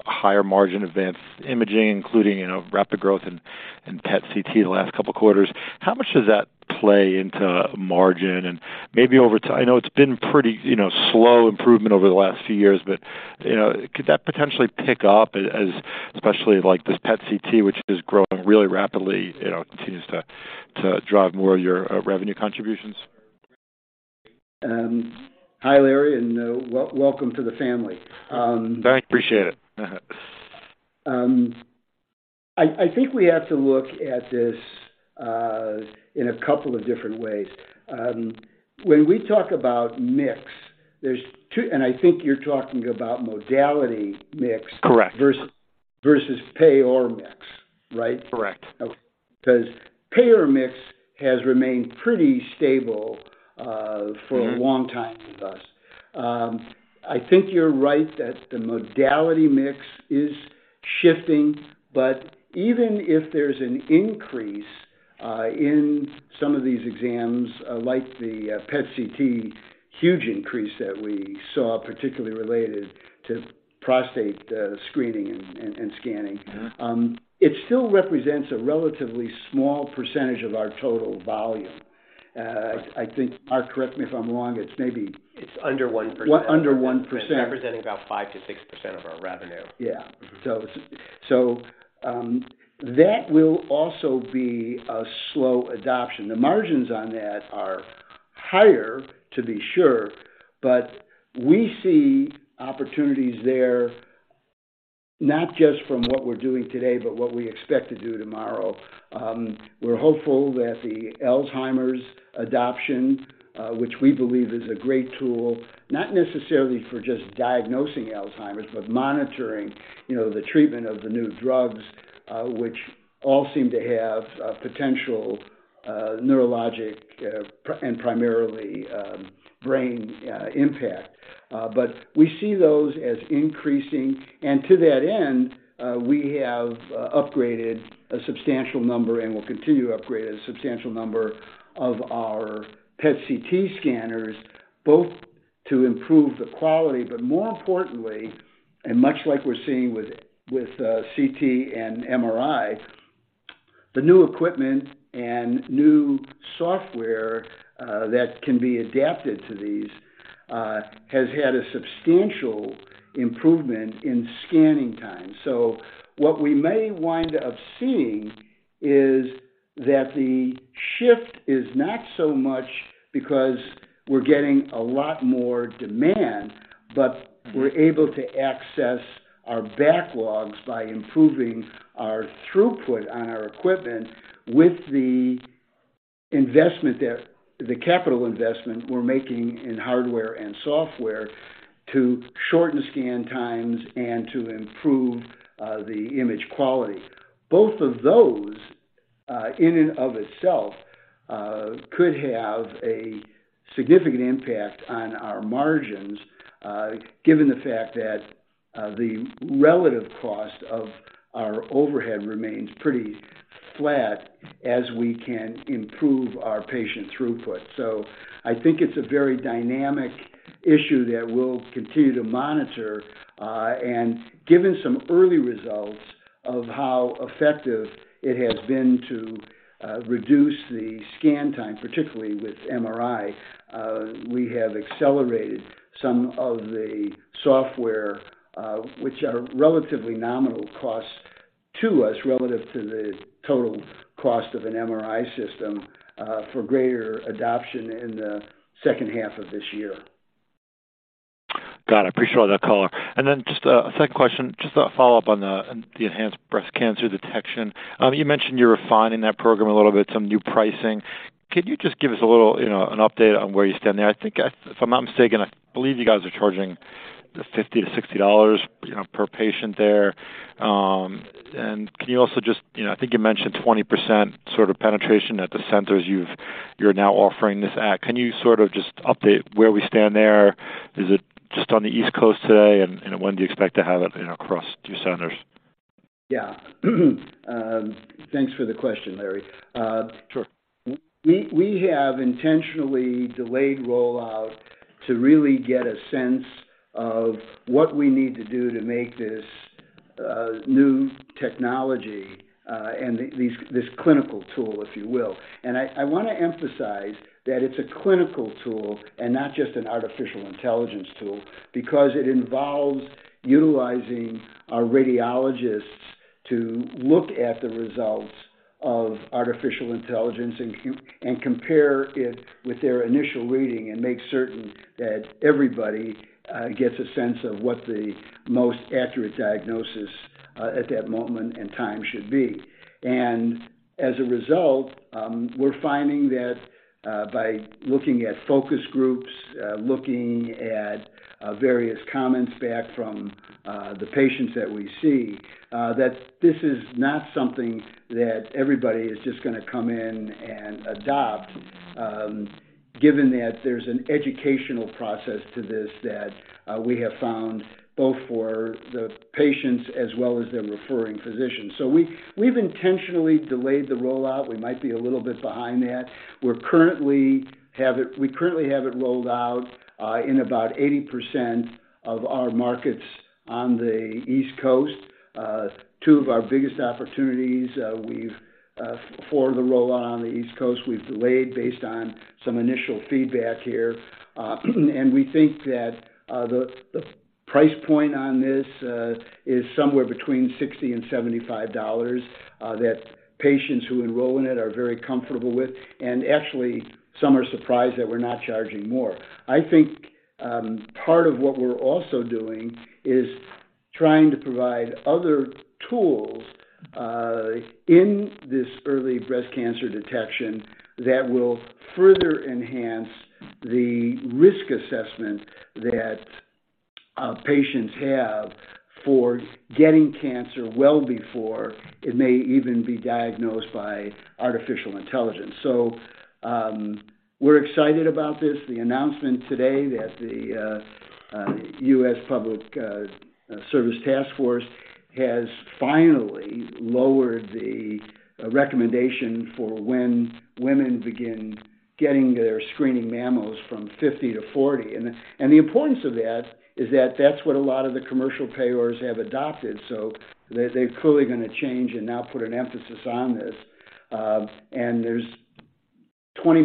higher margin advanced imaging, including, you know, rapid growth in PET CT the last couple of quarters. How much does that play into margin? Maybe over time, I know it's been pretty, you know, slow improvement over the last few years, but, you know, could that potentially pick up as especially like this PET CT, which is growing really rapidly, you know, continues to drive more of your revenue contributions? Hi, Larry, and welcome to the family. Thanks. Appreciate it. I think we have to look at this, in a couple of different ways. When we talk about mix, and I think you're talking about modality mix. Correct versus payer mix, right? Correct. Okay. 'Cause payer mix has remained pretty stable. Mm-hmm... for a long time with us. I think you're right that the modality mix is shifting, but even if there's an increase in some of these exams, like the PET CT huge increase that we saw, particularly related to prostate screening and scanning. Mm-hmm it still represents a relatively small percentage of our total volume. I think, Art, correct me if I'm wrong, it's. It's under 1%. On-under 1%. Representing about 5%-6% of our revenue. That will also be a slow adoption. The margins on that are higher, to be sure, but we see opportunities there, not just from what we're doing today, but what we expect to do tomorrow. We're hopeful that the Alzheimer's adoption, which we believe is a great tool, not necessarily for just diagnosing Alzheimer's, but monitoring, you know, the treatment of the new drugs, which all seem to have a potential neurologic and primarily brain impact. We see those as increasing. To that end, we have upgraded a substantial number and will continue to upgrade a substantial number of our PET CT scanners, both to improve the quality, but more importantly, and much like we're seeing with CT and MRI, the new equipment and new software that can be adapted to these has had a substantial improvement in scanning time. What we may wind up seeing is that the shift is not so much because we're getting a lot more demand, but we're able to access our backlogs by improving our throughput on our equipment with the capital investment we're making in hardware and software to shorten scan times and to improve the image quality. Both of those, in and of itself, could have a significant impact on our margins, given the fact that the relative cost of our overhead remains pretty flat as we can improve our patient throughput. I think it's a very dynamic issue that we'll continue to monitor. Given some early results of how effective it has been to reduce the scan time, particularly with MRI, we have accelerated some of the software, which are relatively nominal costs to us relative to the total cost of an MRI system, for greater adoption in the second half of this year. Got it. Appreciate that color. Just a second question, just a follow-up on the, on the Enhanced Breast Cancer Detection. You mentioned you're refining that program a little bit, some new pricing. Could you just give us a little, you know, an update on where you stand there? I think if I'm not mistaken, I believe you guys are charging $50-$60, you know, per patient there. Can you also just, you know, I think you mentioned 20% sort of penetration at the centers you've, you're now offering this at. Can you sort of just update where we stand there? Is it just on the East Coast today? When do you expect to have it, you know, across two centers? Thanks for the question, Larry. Sure. We have intentionally delayed rollout to really get a sense of what we need to do to make this new technology, and this clinical tool, if you will. I want to emphasize that it's a clinical tool and not just an artificial intelligence tool, because it involves utilizing our radiologists to look at the results of artificial intelligence and compare it with their initial reading and make certain that everybody gets a sense of what the most accurate diagnosis at that moment and time should be. As a result, we're finding that by looking at focus groups, looking at various comments back from the patients that we see, that this is not something that everybody is just gonna come in and adopt, given that there's an educational process to this that we have found both for the patients as well as their referring physicians. We, we've intentionally delayed the rollout. We might be a little bit behind that. We currently have it rolled out, in about 80% of our markets on the East Coast. Two of our biggest opportunities, we've for the rollout on the East Coast, we've delayed based on some initial feedback here. We think that the price point on this is somewhere between $60-$75, that patients who enroll in it are very comfortable with. Actually, some are surprised that we're not charging more. I think part of what we're also doing is trying to provide other tools in this early breast cancer detection that will further enhance the risk assessment that patients have for getting cancer well before it may even be diagnosed by artificial intelligence. We're excited about this. The announcement today that the U.S. Preventive Services Task Force has finally lowered the recommendation for when women begin getting their screening mammos from 50 to 40. The importance of that is that that's what a lot of the commercial payers have adopted, so they're clearly gonna change and now put an emphasis on this. There's 20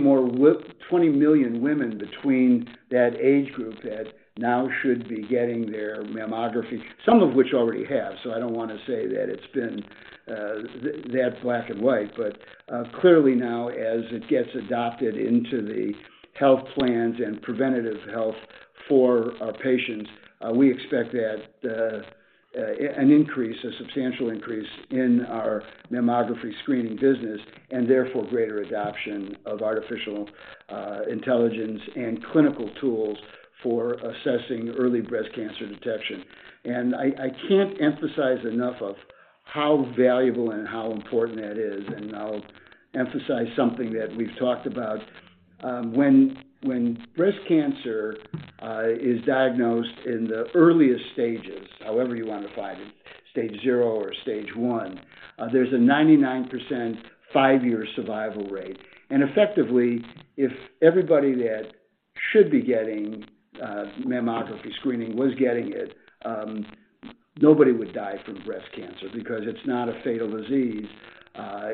million women between that age group that now should be getting their mammography, some of which already have. I don't wanna say that it's been, that's black and white. Clearly now, as it gets adopted into the health plans and preventive health for our patients, we expect that an increase, a substantial increase in our mammography screening business and therefore greater adoption of artificial intelligence and clinical tools for assessing early breast cancer detection. I can't emphasize enough of how valuable and how important that is, and I'll emphasize something that we've talked about. When breast cancer is diagnosed in the earliest stages, however you want to find it, Stage 0 or Stage 1, there's a 99% 5-year survival rate. Effectively, if everybody that should be getting mammography screening was getting it, nobody would die from breast cancer because it's not a fatal disease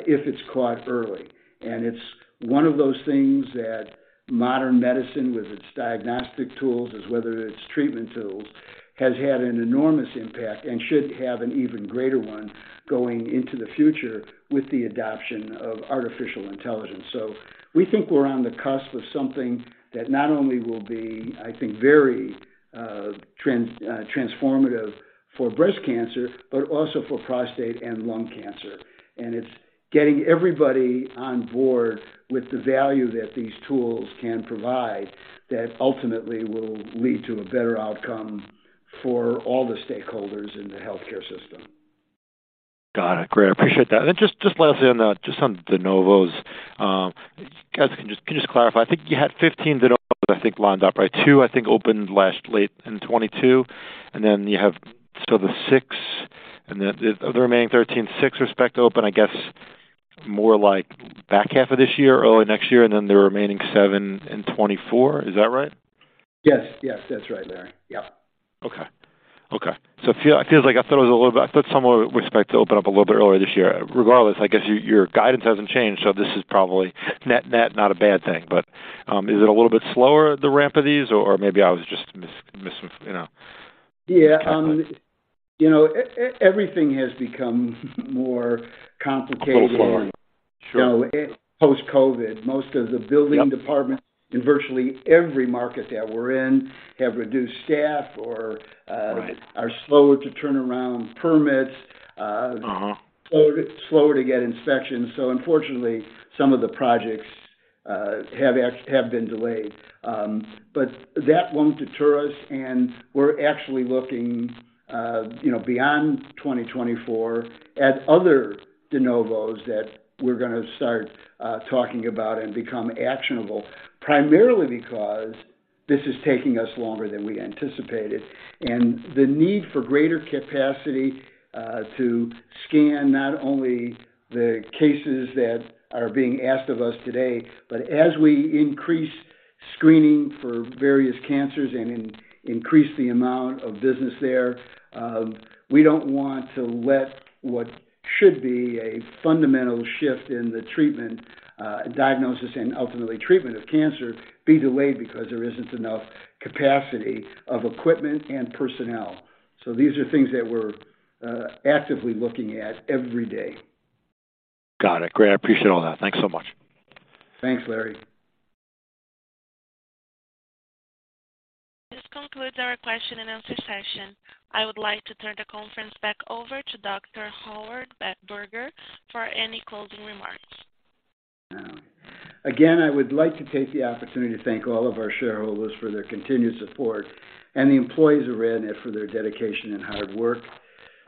if it's caught early. It's one of those things that modern medicine, with its diagnostic tools, as whether it's treatment tools, has had an enormous impact and should have an even greater one going into the future with the adoption of artificial intelligence. We think we're on the cusp of something that not only will be, I think, very transformative for breast cancer, but also for prostate and lung cancer. It's getting everybody on board with the value that these tools can provide that ultimately will lead to a better outcome for all the stakeholders in the healthcare system. Got it. Great. I appreciate that. Just lastly on the de novos, can you just clarify? I think you had 15 de novos, I think, lined up. Right? 2, I think, opened last late in 2022, and then you have still the 6 and the other remaining 13. 6 are expected to open, I guess, more like back half of this year, early next year, and then the remaining 7 in 2024. Is that right? Yes. Yes. That's right, Larry. Yeah. Okay. Okay. It feels like I thought some were expected to open up a little bit earlier this year. Regardless, I guess your guidance hasn't changed, this is probably net not a bad thing. Is it a little bit slower, the ramp of these? Or maybe I was just missing? Yeah, you know, everything has become more complicated. Far. Sure. You know, post-COVID. Most of the building- Yep. Departments in virtually every market that we're in have reduced staff or... Right. are slower to turn around permits, Uh-huh. slower to get inspections. Unfortunately, some of the projects have been delayed. That won't deter us, and we're actually looking, you know, beyond 2024 at other de novos that we're gonna start talking about and become actionable. Primarily because this is taking us longer than we anticipated. The need for greater capacity to scan not only the cases that are being asked of us today, but as we increase screening for various cancers and increase the amount of business there, we don't want to let what should be a fundamental shift in the treatment, diagnosis and ultimately treatment of cancer be delayed because there isn't enough capacity of equipment and personnel. These are things that we're actively looking at every day. Got it. Great. I appreciate all that. Thanks so much. Thanks, Larry. This concludes our question and answer session. I would like to turn the conference back over to Dr. Howard Berger for any closing remarks. Again, I would like to take the opportunity to thank all of our shareholders for their continued support and the employees of RadNet for their dedication and hard work.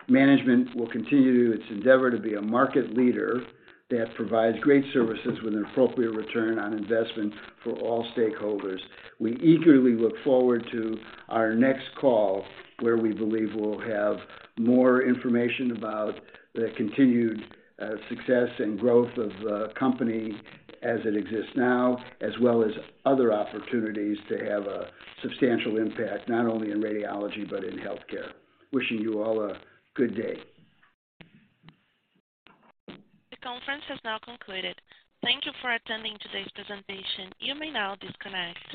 Management will continue its endeavor to be a market leader that provides great services with an appropriate return on investment for all stakeholders. We eagerly look forward to our next call, where we believe we'll have more information about the continued success and growth of the company as it exists now, as well as other opportunities to have a substantial impact, not only in radiology but in healthcare. Wishing you all a good day. The conference has now concluded. Thank you for attending today's presentation. You may now disconnect.